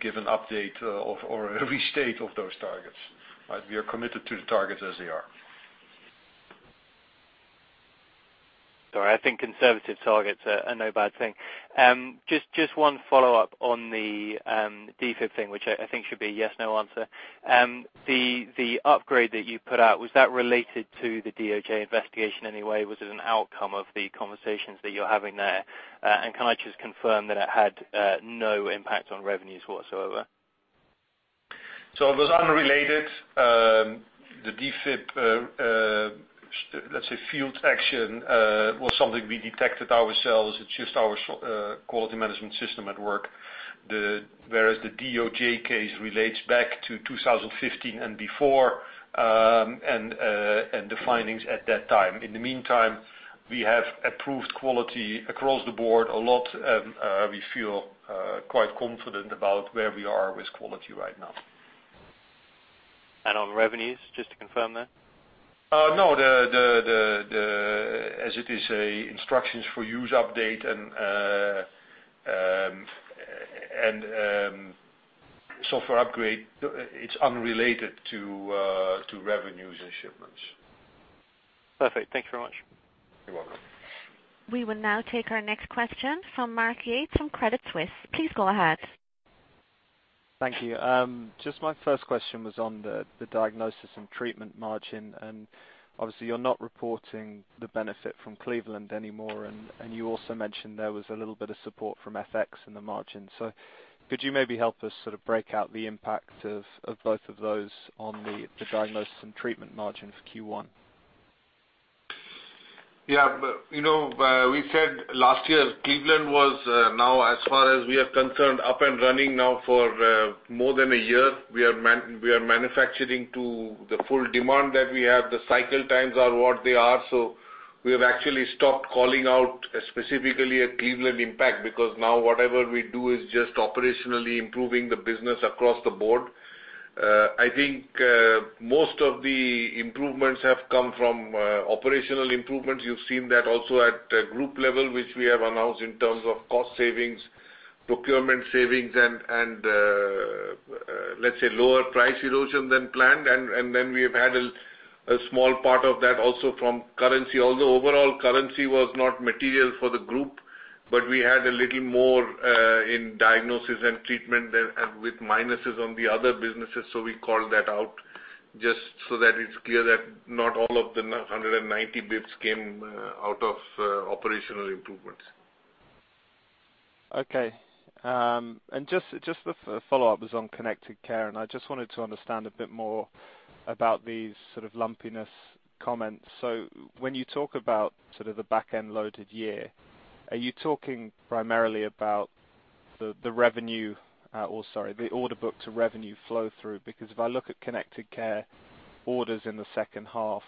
Speaker 4: give an update or restate of those targets. We are committed to the targets as they are.
Speaker 8: Sorry, I think conservative targets are no bad thing. Just one follow-up on the DFIB thing, which I think should be a yes-no answer. The upgrade that you put out, was that related to the DOJ investigation in any way? Was it an outcome of the conversations that you're having there? Can I just confirm that it had no impact on revenues whatsoever?
Speaker 4: It was unrelated. The DFIB, let's say field action, was something we detected ourselves. It's just our quality management system at work. Whereas the DOJ case relates back to 2015 and before, and the findings at that time. In the meantime, we have approved quality across the board a lot, and we feel quite confident about where we are with quality right now.
Speaker 8: On revenues, just to confirm that.
Speaker 4: No, as it is, instructions for use update and software upgrade, it's unrelated to revenues and shipments.
Speaker 8: Perfect. Thank you very much.
Speaker 4: You're welcome.
Speaker 1: We will now take our next question from Mark Yates from Credit Suisse. Please go ahead.
Speaker 9: Thank you. Just my first question was on the diagnosis and treatment margin, and obviously you are not reporting the benefit from Cleveland anymore, and you also mentioned there was a little bit of support from FX in the margin. Could you maybe help us sort of break out the impact of both of those on the diagnosis and treatment margin for Q1?
Speaker 4: Yeah. We said last year, Cleveland was now, as far as we are concerned, up and running now for more than a year. We are manufacturing to the full demand that we have. The cycle times are what they are. We have actually stopped calling out specifically a Cleveland impact, because now whatever we do is just operationally improving the business across the board. I think most of the improvements have come from operational improvements. You have seen that also at group level, which we have announced in terms of cost savings, procurement savings and let us say lower price erosion than planned. Then we have had a small part of that also from currency, although overall currency was not material for the group, but we had a little more in diagnosis and treatment there and with minuses on the other businesses. We called that out just so that it is clear that not all of the 190 basis points came out of operational improvements.
Speaker 9: Just the follow-up was on Connected Care, I just wanted to understand a bit more about these sort of lumpiness comments. When you talk about sort of the back-end loaded year, are you talking primarily about the revenue, or, sorry, the order book to revenue flow through? If I look at Connected Care orders in the second half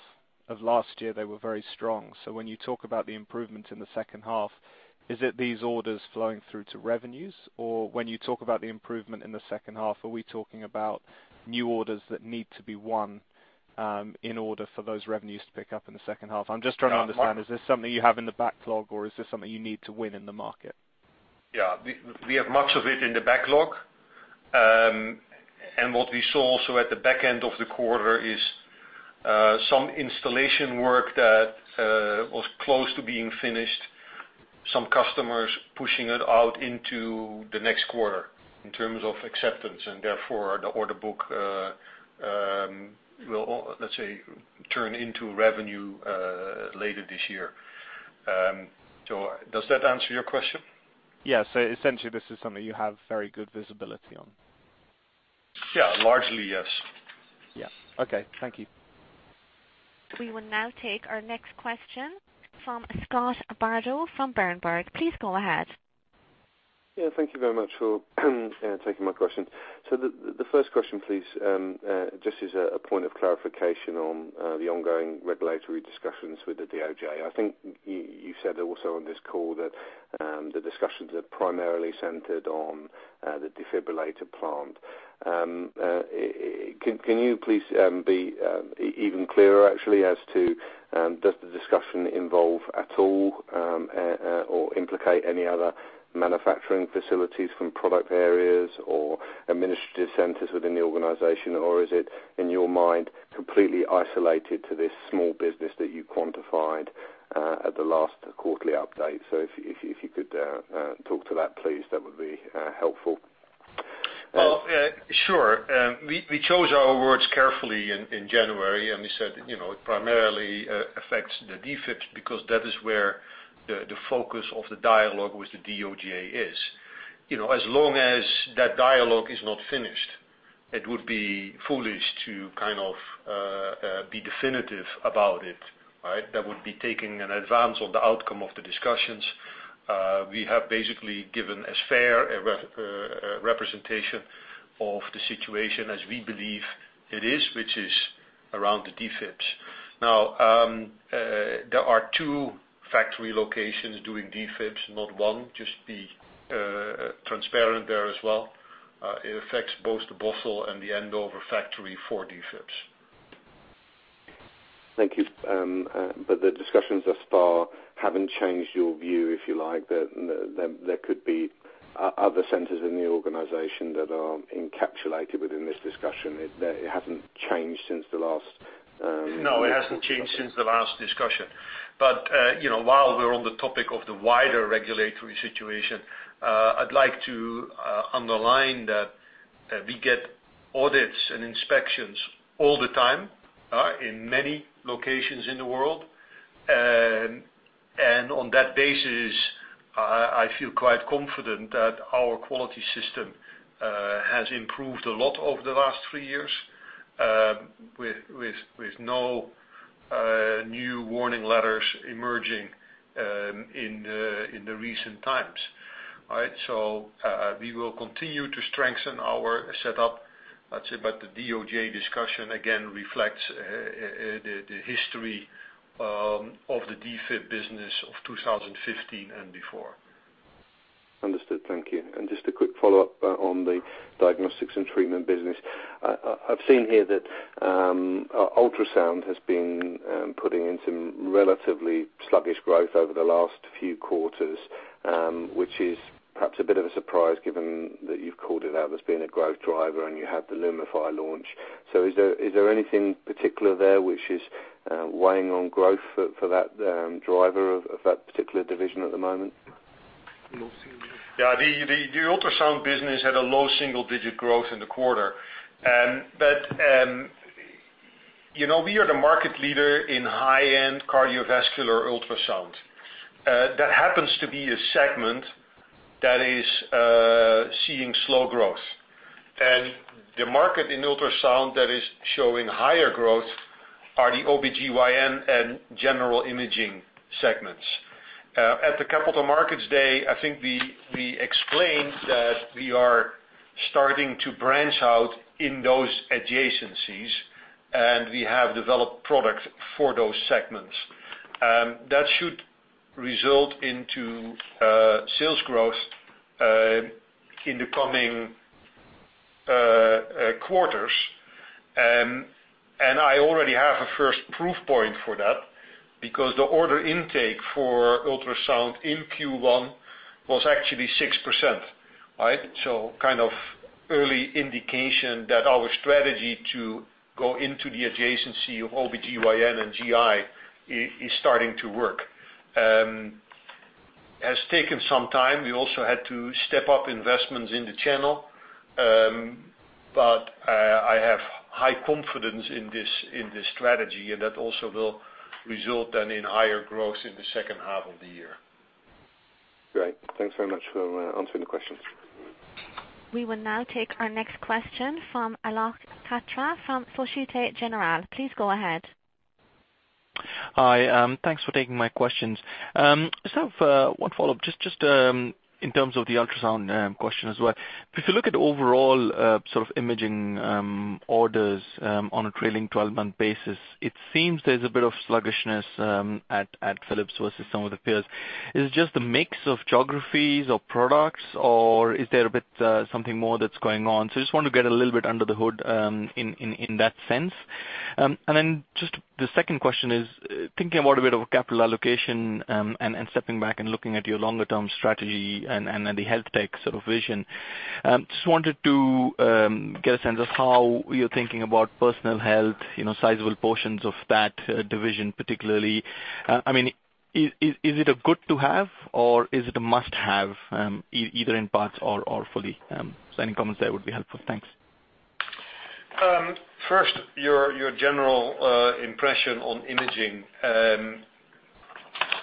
Speaker 9: of last year, they were very strong. When you talk about the improvement in the second half, is it these orders flowing through to revenues? When you talk about the improvement in the second half, are we talking about new orders that need to be won in order for those revenues to pick up in the second half? I'm just trying to understand, is this something you have in the backlog, or is this something you need to win in the market?
Speaker 4: Yeah. We have much of it in the backlog. What we saw also at the back end of the quarter is some installation work that was close to being finished. Some customers pushing it out into the next quarter in terms of acceptance, and therefore the order book will, let's say, turn into revenue later this year. Does that answer your question?
Speaker 9: Yes. Essentially this is something you have very good visibility on.
Speaker 4: Yeah, largely, yes.
Speaker 9: Yeah. Okay. Thank you.
Speaker 1: We will now take our next question from Scott Bardo from Berenberg. Please go ahead.
Speaker 10: Yeah. Thank you very much for taking my question. The first question, please, just as a point of clarification on the ongoing regulatory discussions with the DOJ. I think you said also on this call that the discussions are primarily centered on the defibrillator plant. Can you please be even clearer actually as to does the discussion involve at all or implicate any other manufacturing facilities from product areas or administrative centers within the organization? Or is it, in your mind, completely isolated to this small business that you quantified at the last quarterly update? If you could talk to that, please, that would be helpful.
Speaker 4: Well, sure. We chose our words carefully in January, and we said it primarily affects the DFIBs because that is where the focus of the dialogue with the DOJ is. As long as that dialogue is not finished, it would be foolish to kind of be definitive about it. That would be taking an advance on the outcome of the discussions. We have basically given as fair a representation of the situation as we believe it is, which is around the DFIBs. Now, there are two factory locations doing DFIBs, not one, just to be transparent there as well. It affects both the Bothell and the Andover factory for DFIBs.
Speaker 10: Thank you. The discussions thus far haven't changed your view, if you like, that there could be other centers in the organization that are encapsulated within this discussion. That it hasn't changed since the last.
Speaker 3: No, it hasn't changed since the last discussion. While we're on the topic of the wider regulatory situation, I'd like to underline that we get audits and inspections all the time in many locations in the world. On that basis, I feel quite confident that our quality system has improved a lot over the last three years, with no new warning letters emerging in the recent times. All right? We will continue to strengthen our setup. The DOJ discussion, again, reflects the history of the DFIB business of 2015 and before.
Speaker 10: Understood. Thank you. Just a quick follow-up on the diagnostics and treatment business. I've seen here that ultrasound has been putting in some relatively sluggish growth over the last few quarters, which is perhaps a bit of a surprise given that you've called it out as being a growth driver and you have the Lumify launch. Is there anything particular there which is weighing on growth for that driver of that particular division at the moment?
Speaker 3: Yeah. The ultrasound business had a low single-digit growth in the quarter. We are the market leader in high-end cardiovascular ultrasound. That happens to be a segment that is seeing slow growth. The market in ultrasound that is showing higher growth are the OBGYN and general imaging segments. At the Capital Markets Day, I think we explained that we are starting to branch out in those adjacencies, and we have developed products for those segments. That should result into sales growth in the coming quarters. I already have a first proof point for that, because the order intake for ultrasound in Q1 was actually 6%. Early indication that our strategy to go into the adjacency of OBGYN and GI is starting to work. Has taken some time. We also had to step up investments in the channel. I have high confidence in this strategy, and that also will result then in higher growth in the second half of the year.
Speaker 10: Great. Thanks very much for answering the questions.
Speaker 1: We will now take our next question from Alak Patra from Societe Generale. Please go ahead.
Speaker 11: Hi. Thanks for taking my questions. I just have one follow-up, just in terms of the ultrasound question as well. If you look at overall sort of imaging orders on a trailing 12-month basis, it seems there's a bit of sluggishness at Philips versus some of the peers. Is it just a mix of geographies or products, or is there a bit something more that's going on? Just want to get a little bit under the hood in that sense. Then just the second question is, thinking about a bit of capital allocation, and stepping back and looking at your longer term strategy and the health tech sort of vision. Just wanted to get a sense of how you're thinking about personal health, sizable portions of that division particularly. Is it a good to have, or is it a must-have, either in parts or fully? Any comments there would be helpful. Thanks.
Speaker 3: First, your general impression on imaging.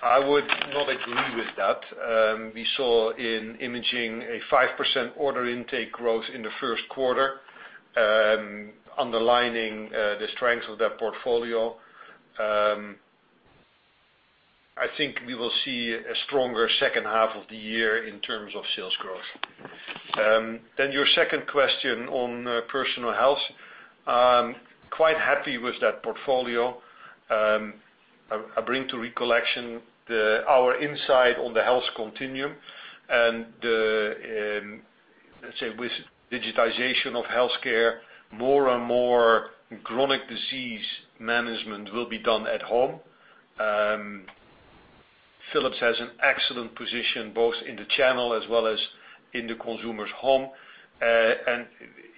Speaker 3: I would not agree with that. We saw in imaging a 5% order intake growth in the first quarter, underlining the strength of that portfolio. I think we will see a stronger second half of the year in terms of sales growth. Your second question on personal health. Quite happy with that portfolio. I bring to recollection our insight on the health continuum and the, let's say, with digitization of healthcare, more and more chronic disease management will be done at home. Philips has an excellent position both in the channel as well as in the consumer's home.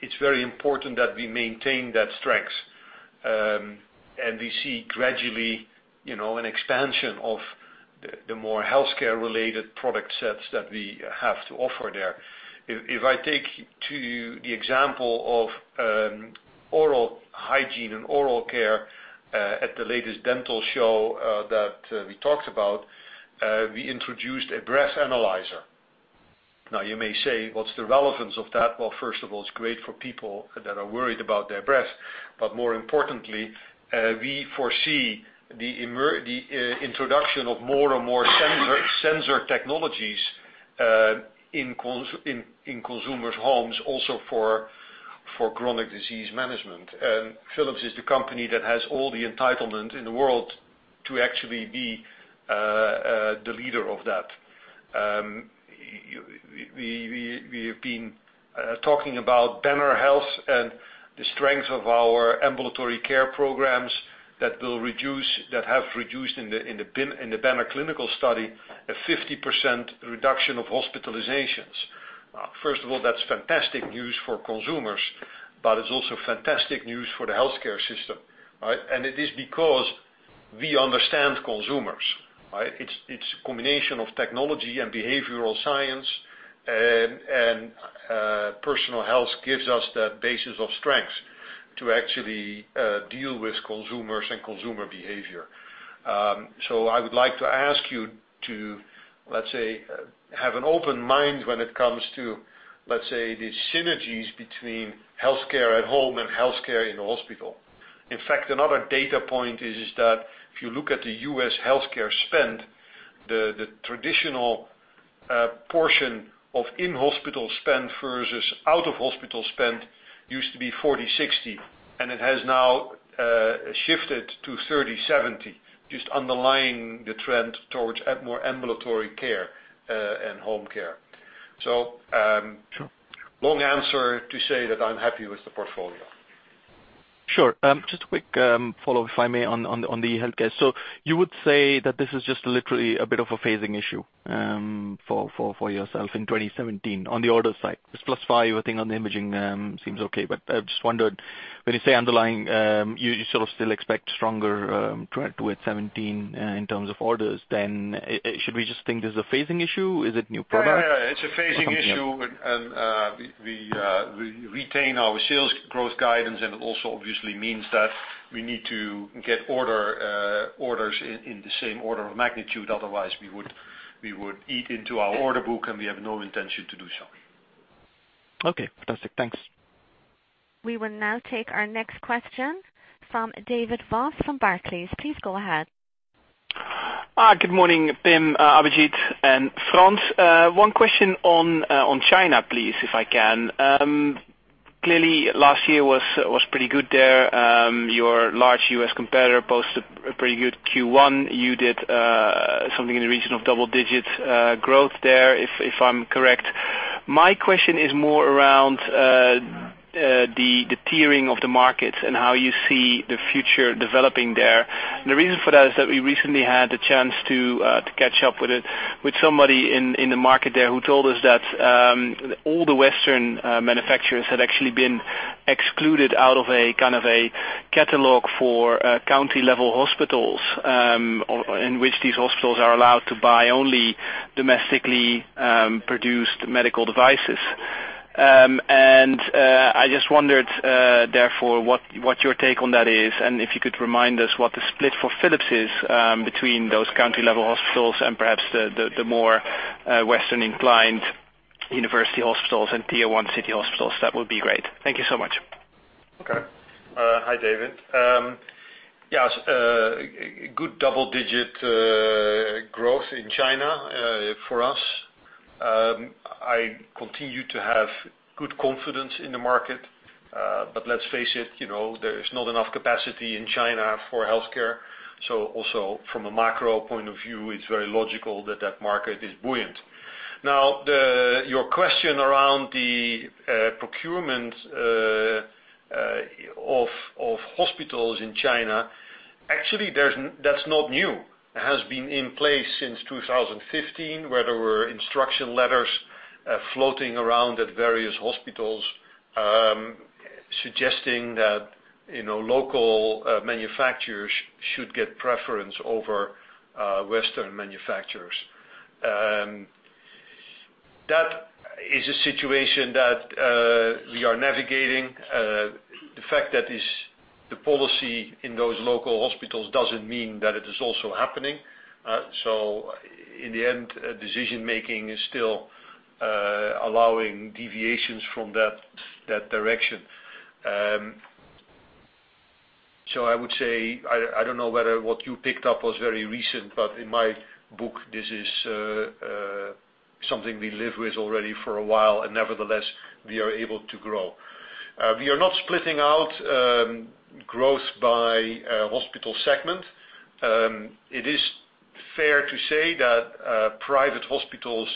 Speaker 3: It's very important that we maintain that strength. We see gradually an expansion of the more healthcare related product sets that we have to offer there. If I take to the example of oral hygiene and oral care, at the latest dental show that we talked about, we introduced a breath analyzer. You may say, what's the relevance of that? Well, first of all, it's great for people that are worried about their breath. More importantly, we foresee the introduction of more and more sensor technologies in consumers' homes also for chronic disease management. Philips is the company that has all the entitlement in the world to actually be the leader of that. We have been talking about Banner Health and the strength of our ambulatory care programs that have reduced in the Banner clinical study, a 50% reduction of hospitalizations. First of all, that's fantastic news for consumers, but it's also fantastic news for the healthcare system. It is because we understand consumers. It's a combination of technology and behavioral science, and personal health gives us that basis of strength to actually deal with consumers and consumer behavior. I would like to ask you to, let's say, have an open mind when it comes to, let's say, the synergies between healthcare at home and healthcare in the hospital. In fact, another data point is that if you look at the U.S. healthcare spend, the traditional portion of in-hospital spend versus out-of-hospital spend used to be 40/60, and it has now shifted to 30/70, just underlying the trend towards more ambulatory care and home care. Long answer to say that I'm happy with the portfolio.
Speaker 11: Sure. Just a quick follow, if I may, on the healthcare. You would say that this is just literally a bit of a phasing issue for yourself in 2017 on the order side. It's +5%, I think on the imaging seems okay, but I just wondered, when you say underlying, you still expect stronger 2017 in terms of orders, then should we just think this is a phasing issue? Is it new product?
Speaker 3: Yeah. It's a phasing issue. We retain our sales growth guidance, and it also obviously means that we need to get orders in the same order of magnitude. Otherwise, we would eat into our order book, and we have no intention to do so.
Speaker 11: Okay, fantastic. Thanks.
Speaker 1: We will now take our next question from David Vos from Barclays. Please go ahead.
Speaker 12: Good morning, Pim, Abhijit, and Frans. One question on China, please, if I can. Clearly, last year was pretty good there. Your large U.S. competitor posted a pretty good Q1. You did something in the region of double digits growth there, if I'm correct. My question is more around the tiering of the markets and how you see the future developing there. The reason for that is that we recently had the chance to catch up with somebody in the market there who told us that all the Western manufacturers had actually been excluded out of a catalog for county level hospitals, in which these hospitals are allowed to buy only domestically produced medical devices. I just wondered, therefore, what your take on that is, and if you could remind us what the split for Philips is between those county level hospitals and perhaps the more Western inclined university hospitals and tier 1 city hospitals. That would be great. Thank you so much.
Speaker 3: Okay. Hi, David. Yes, good double digit growth in China for us. I continue to have good confidence in the market. Let's face it, there is not enough capacity in China for healthcare. Also from a macro point of view, it's very logical that that market is buoyant. Now, your question around the procurement of hospitals in China, actually, that's not new. It has been in place since 2015, where there were instruction letters floating around at various hospitals suggesting that local manufacturers should get preference over Western manufacturers. That is a situation that we are navigating. The fact that the policy in those local hospitals doesn't mean that it is also happening. In the end, decision making is still allowing deviations from that direction. I would say, I don't know whether what you picked up was very recent, in my book, this is something we live with already for a while, nevertheless, we are able to grow. We are not splitting out growth by hospital segment. It is fair to say that private hospitals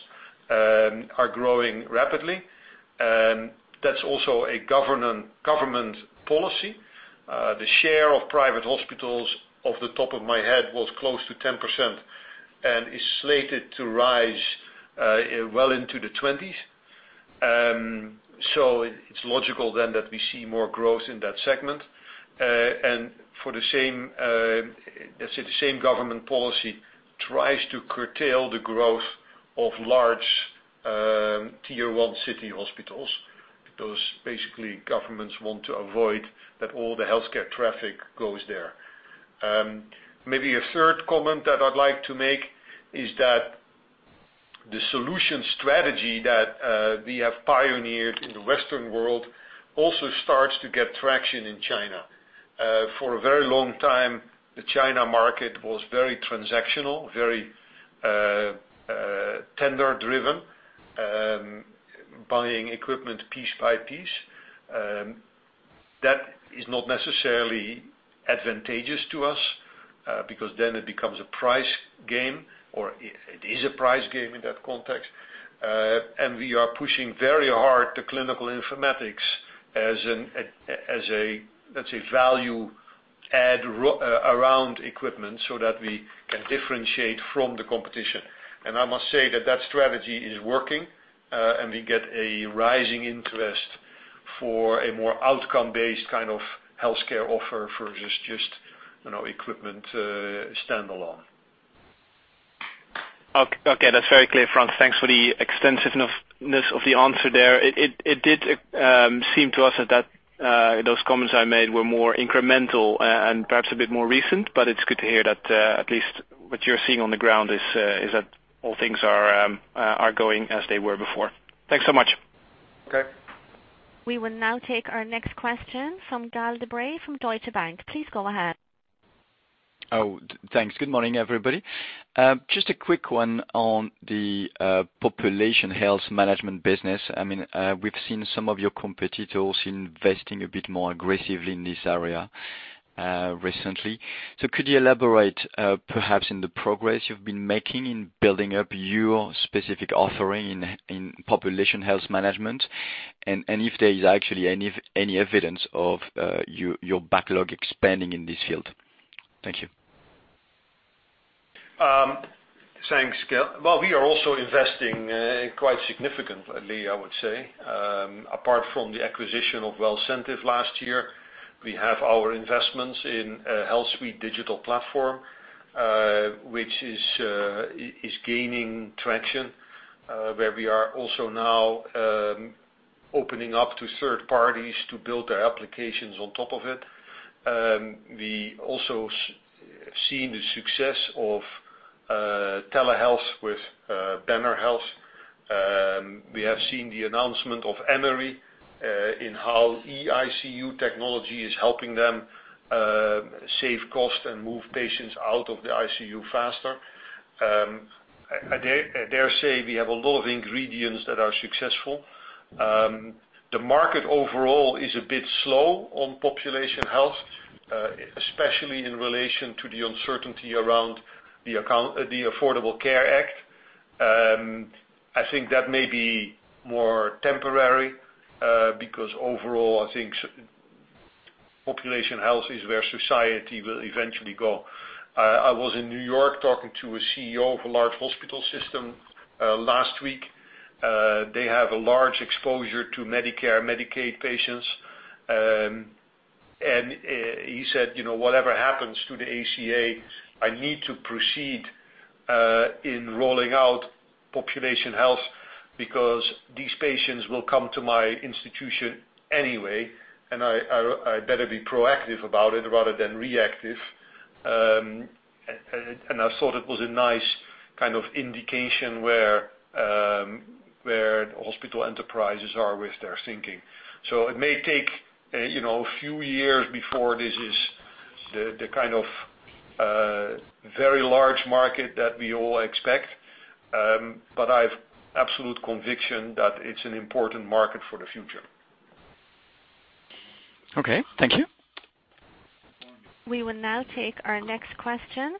Speaker 3: are growing rapidly. That's also a government policy. The share of private hospitals off the top of my head was close to 10% and is slated to rise well into the 20s. It's logical then that we see more growth in that segment. For the same, let's say the same government policy tries to curtail the growth of large tier 1 city hospitals. Those basically governments want to avoid that all the healthcare traffic goes there. Maybe a third comment that I'd like to make is that the solution strategy that we have pioneered in the Western world also starts to get traction in China. For a very long time, the China market was very transactional, very tender driven, buying equipment piece by piece. That is not necessarily advantageous to us, because then it becomes a price game, or it is a price game in that context. We are pushing very hard to clinical informatics as a value add around equipment so that we can differentiate from the competition. I must say that strategy is working, and we get a rising interest for a more outcome-based kind of healthcare offer versus just equipment standalone.
Speaker 12: Okay. That's very clear, Frans. Thanks for the extensiveness of the answer there. It did seem to us that those comments I made were more incremental and perhaps a bit more recent, but it's good to hear that at least what you're seeing on the ground is that all things are going as they were before. Thanks so much.
Speaker 3: Okay.
Speaker 1: We will now take our next question from Gael de Bray from Deutsche Bank. Please go ahead.
Speaker 13: Thanks. Good morning, everybody. Just a quick one on the population health management business. We've seen some of your competitors investing a bit more aggressively in this area recently. Could you elaborate perhaps on the progress you've been making in building up your specific offering in population health management? If there is actually any evidence of your backlog expanding in this field. Thank you.
Speaker 3: Thanks, Gael. Well, we are also investing quite significantly, I would say, apart from the acquisition of Wellcentive last year. We have our investments in HealthSuite digital platform, which is gaining traction, where we are also now opening up to third parties to build their applications on top of it. We also have seen the success of telehealth with Banner Health. We have seen the announcement of Emory in how eICU technology is helping them save cost and move patients out of the ICU faster. I dare say we have a lot of ingredients that are successful. The market overall is a bit slow on population health, especially in relation to the uncertainty around the Affordable Care Act. I think that may be more temporary, because overall, I think population health is where society will eventually go. I was in New York talking to a CEO of a large hospital system last week. They have a large exposure to Medicare, Medicaid patients. He said, "Whatever happens to the ACA, I need to proceed in rolling out population health because these patients will come to my institution anyway, and I better be proactive about it rather than reactive." I thought it was a nice kind of indication where hospital enterprises are with their thinking. It may take a few years before this is the kind of very large market that we all expect. I've absolute conviction that it's an important market for the future.
Speaker 13: Okay. Thank you.
Speaker 1: We will now take our next question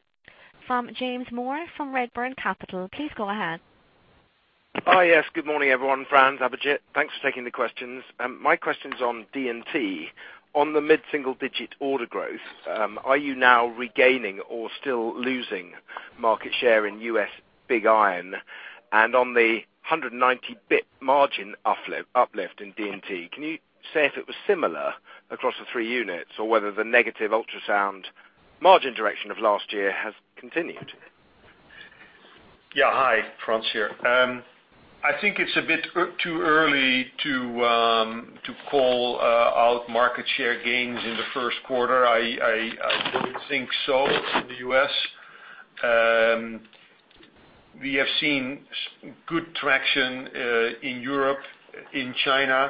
Speaker 1: from James Moore from Redburn Capital. Please go ahead.
Speaker 14: Hi, yes. Good morning, everyone. Frans, Abhijit, thanks for taking the questions. My question's on D&T. On the mid-single-digit order growth, are you now regaining or still losing market share in U.S. big iron? On the 190 basis point margin uplift in D&T, can you say if it was similar across the three units or whether the negative ultrasound margin direction of last year has continued?
Speaker 3: Yeah. Hi. Frans here. I think it's a bit too early to call out market share gains in the first quarter. I don't think so in the U.S. We have seen good traction in Europe, in China.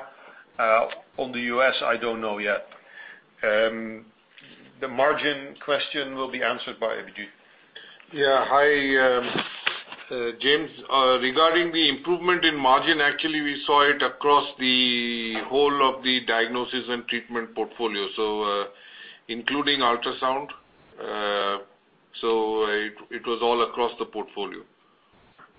Speaker 3: On the U.S., I don't know yet. The margin question will be answered by Abhijit.
Speaker 4: Yeah. Hi, James. Regarding the improvement in margin, actually, we saw it across the whole of the diagnosis and treatment portfolio, including ultrasound. It was all across the portfolio.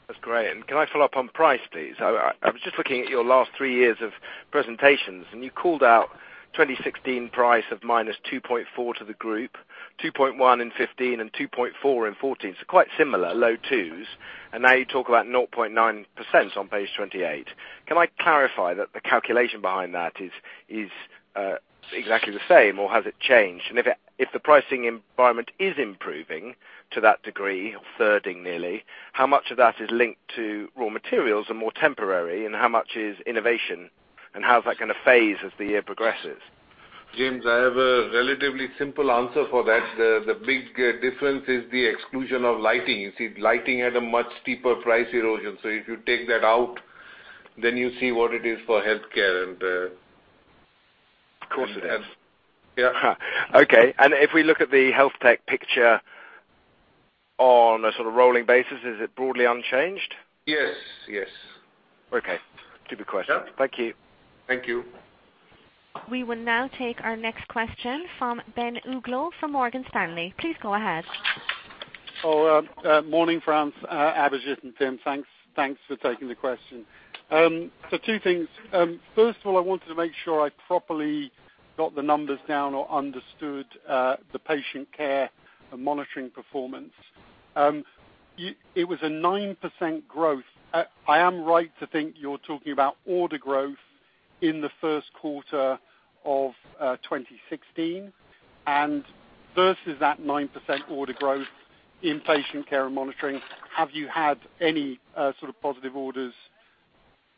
Speaker 14: That's great. Can I follow up on price, please? I was just looking at your last three years of presentations, you called out 2016 price of -2.4% to the group, 2.1% in 2015 and 2.4% in 2014. Quite similar, low twos. Now you talk about 0.9% on page 28. Can I clarify that the calculation behind that is exactly the same, or has it changed? If the pricing environment is improving to that degree, a thirding nearly, how much of that is linked to raw materials and more temporary, and how much is innovation, and how's that going to phase as the year progresses?
Speaker 4: James, I have a relatively simple answer for that. The big difference is the exclusion of lighting. You see, lighting had a much steeper price erosion. If you take that out, then you see what it is for healthcare and-
Speaker 14: Of course it is.
Speaker 4: Yeah.
Speaker 14: Okay. If we look at the health tech picture On a sort of rolling basis, is it broadly unchanged?
Speaker 4: Yes.
Speaker 14: Okay. Stupid question.
Speaker 4: Yeah. Thank you. Thank you.
Speaker 1: We will now take our next question from Ben Uglow from Morgan Stanley. Please go ahead.
Speaker 15: Hello. Morning, Frans, Abhijit, and Pim. Thanks for taking the question. Two things. First of all, I wanted to make sure I properly got the numbers down or understood the patient care and monitoring performance. It was a 9% growth. I am right to think you're talking about order growth in the first quarter of 2016, and versus that 9% order growth in patient care and monitoring, have you had any sort of positive orders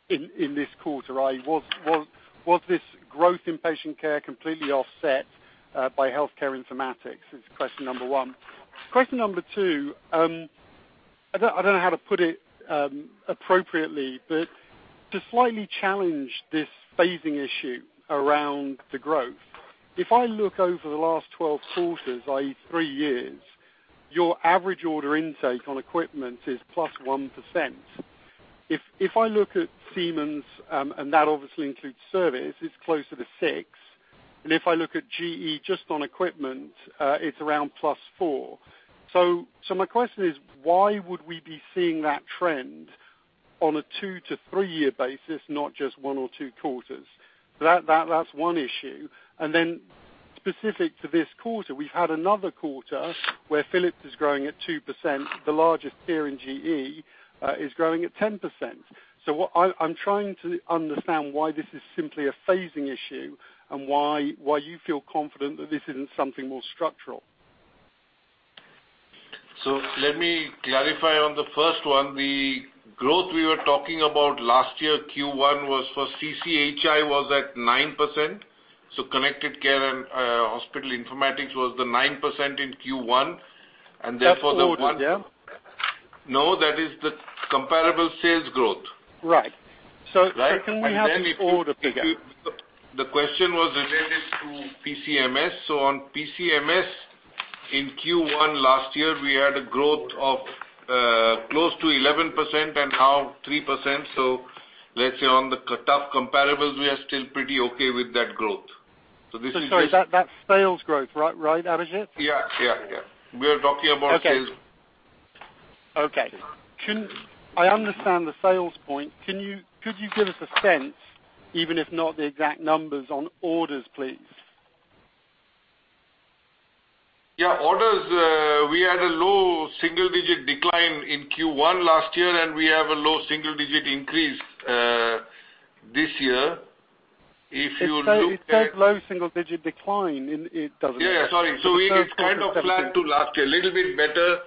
Speaker 15: in this quarter? Was this growth in patient care completely offset by healthcare informatics? Is question number one. Question number two, I don't know how to put it appropriately, but to slightly challenge this phasing issue around the growth. If I look over the last 12 quarters, i.e. three years, your average order intake on equipment is +1%. If I look at Siemens, and that obviously includes service, it's closer to six. If I look at GE just on equipment, it's around +4. My question is, why would we be seeing that trend on a two- to three-year basis, not just one or two quarters? That's one issue. Specific to this quarter, we've had another quarter where Philips is growing at 2%, the largest peer in GE, is growing at 10%. What I'm trying to understand why this is simply a phasing issue and why you feel confident that this isn't something more structural.
Speaker 4: Let me clarify on the first one. The growth we were talking about last year, Q1, was for CC&HI was at 9%. Connected Care & Health Informatics was the 9% in Q1. Therefore.
Speaker 15: That's orders, yeah?
Speaker 4: No, that is the comparable sales growth.
Speaker 15: Right.
Speaker 4: Right?
Speaker 15: Can we have this order figure?
Speaker 4: The question was related to PCMS. On PCMS, in Q1 last year, we had a growth of close to 11% and now 3%. Let's say on the tough comparables, we are still pretty okay with that growth.
Speaker 15: Sorry, that's sales growth, right, Abhijit?
Speaker 4: Yeah. We are talking about sales.
Speaker 15: Okay. I understand the sales point. Could you give us a sense, even if not the exact numbers on orders, please?
Speaker 4: Yeah, orders, we had a low single-digit decline in Q1 last year, and we have a low single-digit increase this year. If you look at.
Speaker 15: It's both low single-digit decline in. It doesn't.
Speaker 4: Yeah, sorry. It is kind of flat to last year. A little bit better,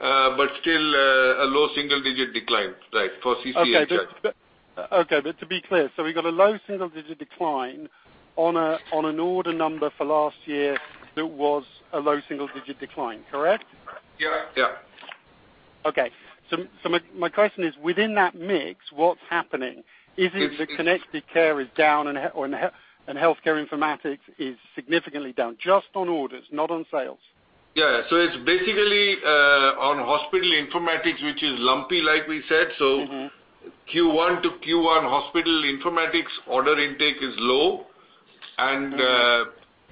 Speaker 4: but still, a low single-digit decline, right, for CC&HI.
Speaker 15: Okay. To be clear, we've got a low single-digit decline on an order number for last year that was a low single-digit decline, correct?
Speaker 4: Yeah.
Speaker 15: Okay. My question is, within that mix, what's happening? Is it the Connected Care is down and Healthcare Informatics is significantly down? Just on orders, not on sales.
Speaker 4: Yeah. It's basically on hospital informatics, which is lumpy, like we said. Q1 to Q1, hospital informatics order intake is low, and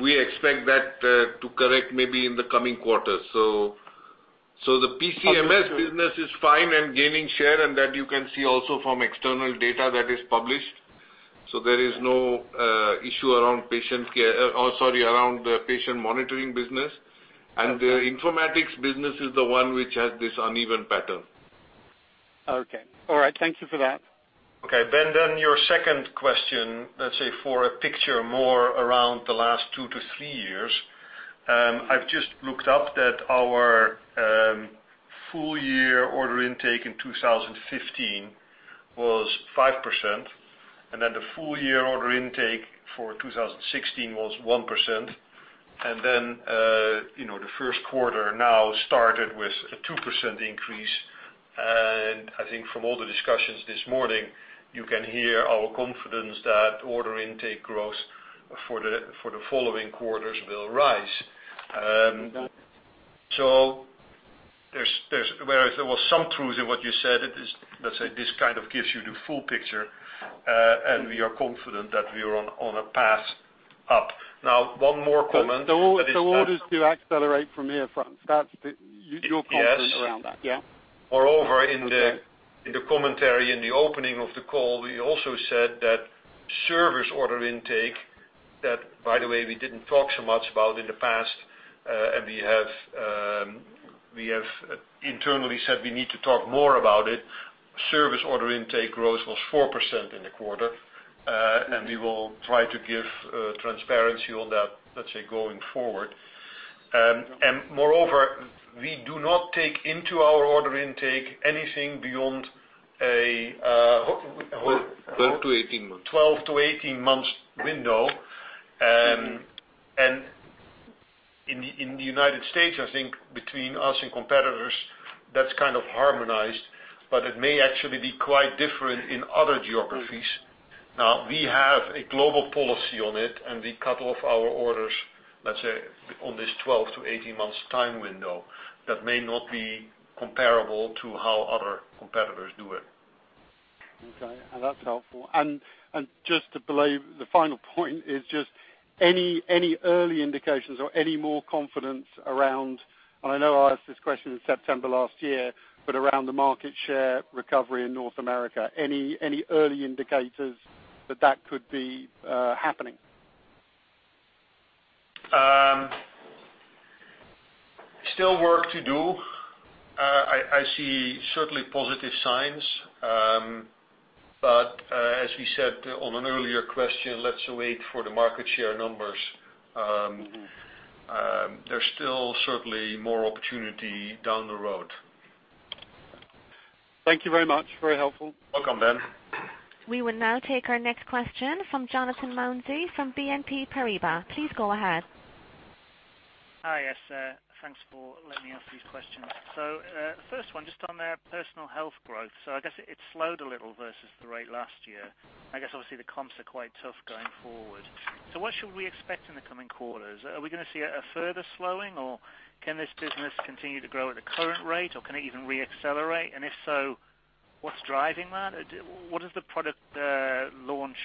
Speaker 4: we expect that to correct maybe in the coming quarters. The PCMS business is fine and gaining share, and that you can see also from external data that is published. There is no issue around patient care, or, sorry, around patient monitoring business. The informatics business is the one which has this uneven pattern.
Speaker 15: Okay. All right. Thank you for that.
Speaker 3: Okay, Ben, your second question, let's say for a picture more around the last two to three years. I've just looked up that our full year order intake in 2015 was 5%, the full year order intake for 2016 was 1%, the first quarter now started with a 2% increase. I think from all the discussions this morning, you can hear our confidence that order intake growth for the following quarters will rise. Whereas there was some truth in what you said, let's say this kind of gives you the full picture, and we are confident that we are on a path up. Now, one more comment.
Speaker 15: Orders do accelerate from here, Frans. You're confident around that?
Speaker 3: Yes.
Speaker 15: Yeah.
Speaker 3: Moreover, in the commentary in the opening of the call, we also said that service order intake, that by the way, we didn't talk so much about in the past, and we have internally said we need to talk more about it. Service order intake growth was 4% in the quarter. We will try to give transparency on that, let's say, going forward. Moreover, we do not take into our order intake anything beyond.
Speaker 4: 12 to 18 months
Speaker 3: 12 to 18 months window. In the U.S., I think between us and competitors, that's kind of harmonized, but it may actually be quite different in other geographies.
Speaker 4: Now, we have a global policy on it, we cut off our orders, let's say, on this 12 to 18 months time window that may not be comparable to how other competitors do it.
Speaker 15: Okay. That's helpful. Just to belay the final point is just any early indications or any more confidence around, and I know I asked this question in September last year, but around the market share recovery in North America, any early indicators that that could be happening?
Speaker 3: Still work to do. I see certainly positive signs. As we said on an earlier question, let's wait for the market share numbers.
Speaker 4: There's still certainly more opportunity down the road.
Speaker 15: Thank you very much. Very helpful.
Speaker 4: Welcome, Ben.
Speaker 1: We will now take our next question from Jonathan Mounsey from BNP Paribas. Please go ahead.
Speaker 16: Hi. Yes. Thanks for letting me ask these questions. First one, just on personal health growth. I guess it slowed a little versus the rate last year. I guess obviously the comps are quite tough going forward. What should we expect in the coming quarters? Are we going to see a further slowing, or can this business continue to grow at the current rate, or can it even re-accelerate? If so, what's driving that? What does the product launch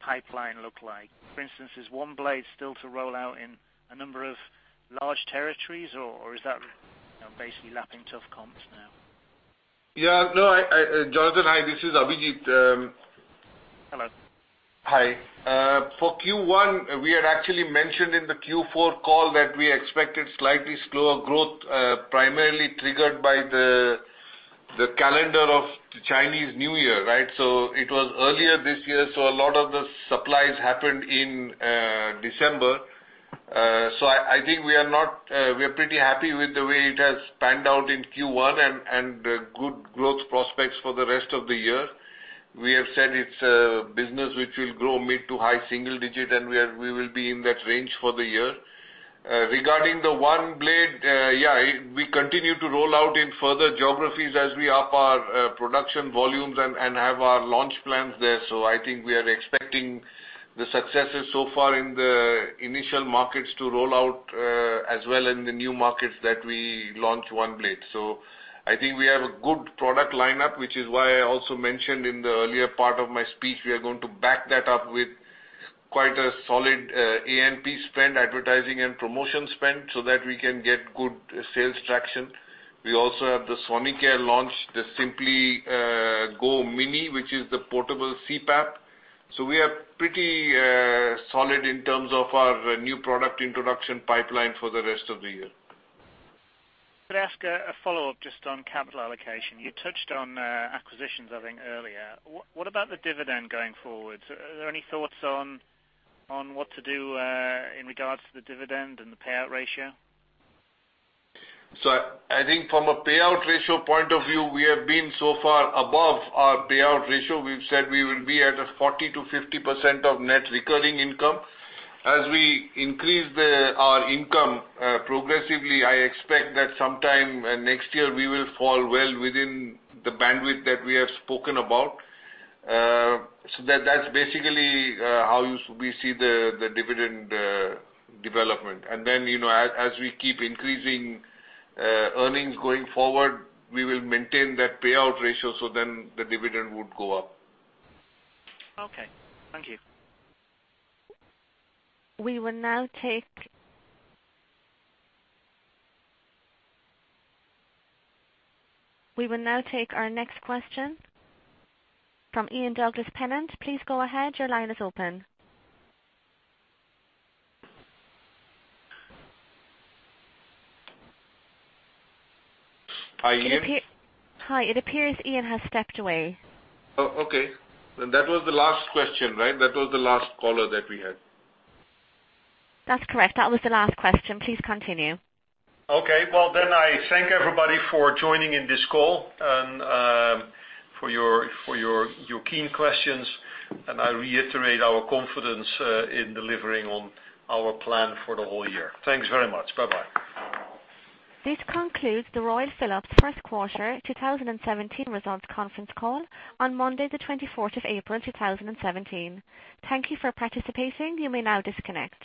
Speaker 16: pipeline look like? For instance, is OneBlade still to roll out in a number of large territories, or is that basically lapping tough comps now?
Speaker 4: Yeah. No. Jonathan, hi, this is Abhijit.
Speaker 16: Hello.
Speaker 4: Hi. For Q1, we had actually mentioned in the Q4 call that we expected slightly slower growth, primarily triggered by the calendar of the Chinese New Year. It was earlier this year, a lot of the supplies happened in December. I think we are pretty happy with the way it has panned out in Q1 and good growth prospects for the rest of the year. We have said it's a business which will grow mid-to-high single digit, and we will be in that range for the year. Regarding the OneBlade, we continue to roll out in further geographies as we up our production volumes and have our launch plans there. I think we are expecting the successes so far in the initial markets to roll out, as well in the new markets that we launch OneBlade. I think we have a good product lineup, which is why I also mentioned in the earlier part of my speech, we are going to back that up with quite a solid A&P spend, advertising and promotion spend, so that we can get good sales traction. We also have the DreamWear launch, the SimplyGo Mini, which is the portable CPAP. We are pretty solid in terms of our new product introduction pipeline for the rest of the year.
Speaker 16: Could I ask a follow-up just on capital allocation? You touched on acquisitions, I think, earlier. What about the dividend going forward? Are there any thoughts on what to do in regards to the dividend and the payout ratio?
Speaker 4: I think from a payout ratio point of view, we have been so far above our payout ratio. We've said we will be at a 40%-50% of net recurring income. As we increase our income progressively, I expect that sometime next year, we will fall well within the bandwidth that we have spoken about. That's basically how we see the dividend development. As we keep increasing earnings going forward, we will maintain that payout ratio, the dividend would go up.
Speaker 16: Okay. Thank you.
Speaker 1: We will now take our next question from Ian Douglas-Pennant. Please go ahead. Your line is open.
Speaker 4: Hi, Ian.
Speaker 1: Hi. It appears Ian has stepped away.
Speaker 4: Okay. That was the last question, right? That was the last caller that we had.
Speaker 1: That's correct. That was the last question. Please continue.
Speaker 3: Okay. Well, I thank everybody for joining in this call and for your keen questions, and I reiterate our confidence in delivering on our plan for the whole year. Thanks very much. Bye-bye.
Speaker 1: This concludes the Royal Philips First Quarter 2017 Results Conference Call on Monday, the 24th of April, 2017. Thank you for participating. You may now disconnect.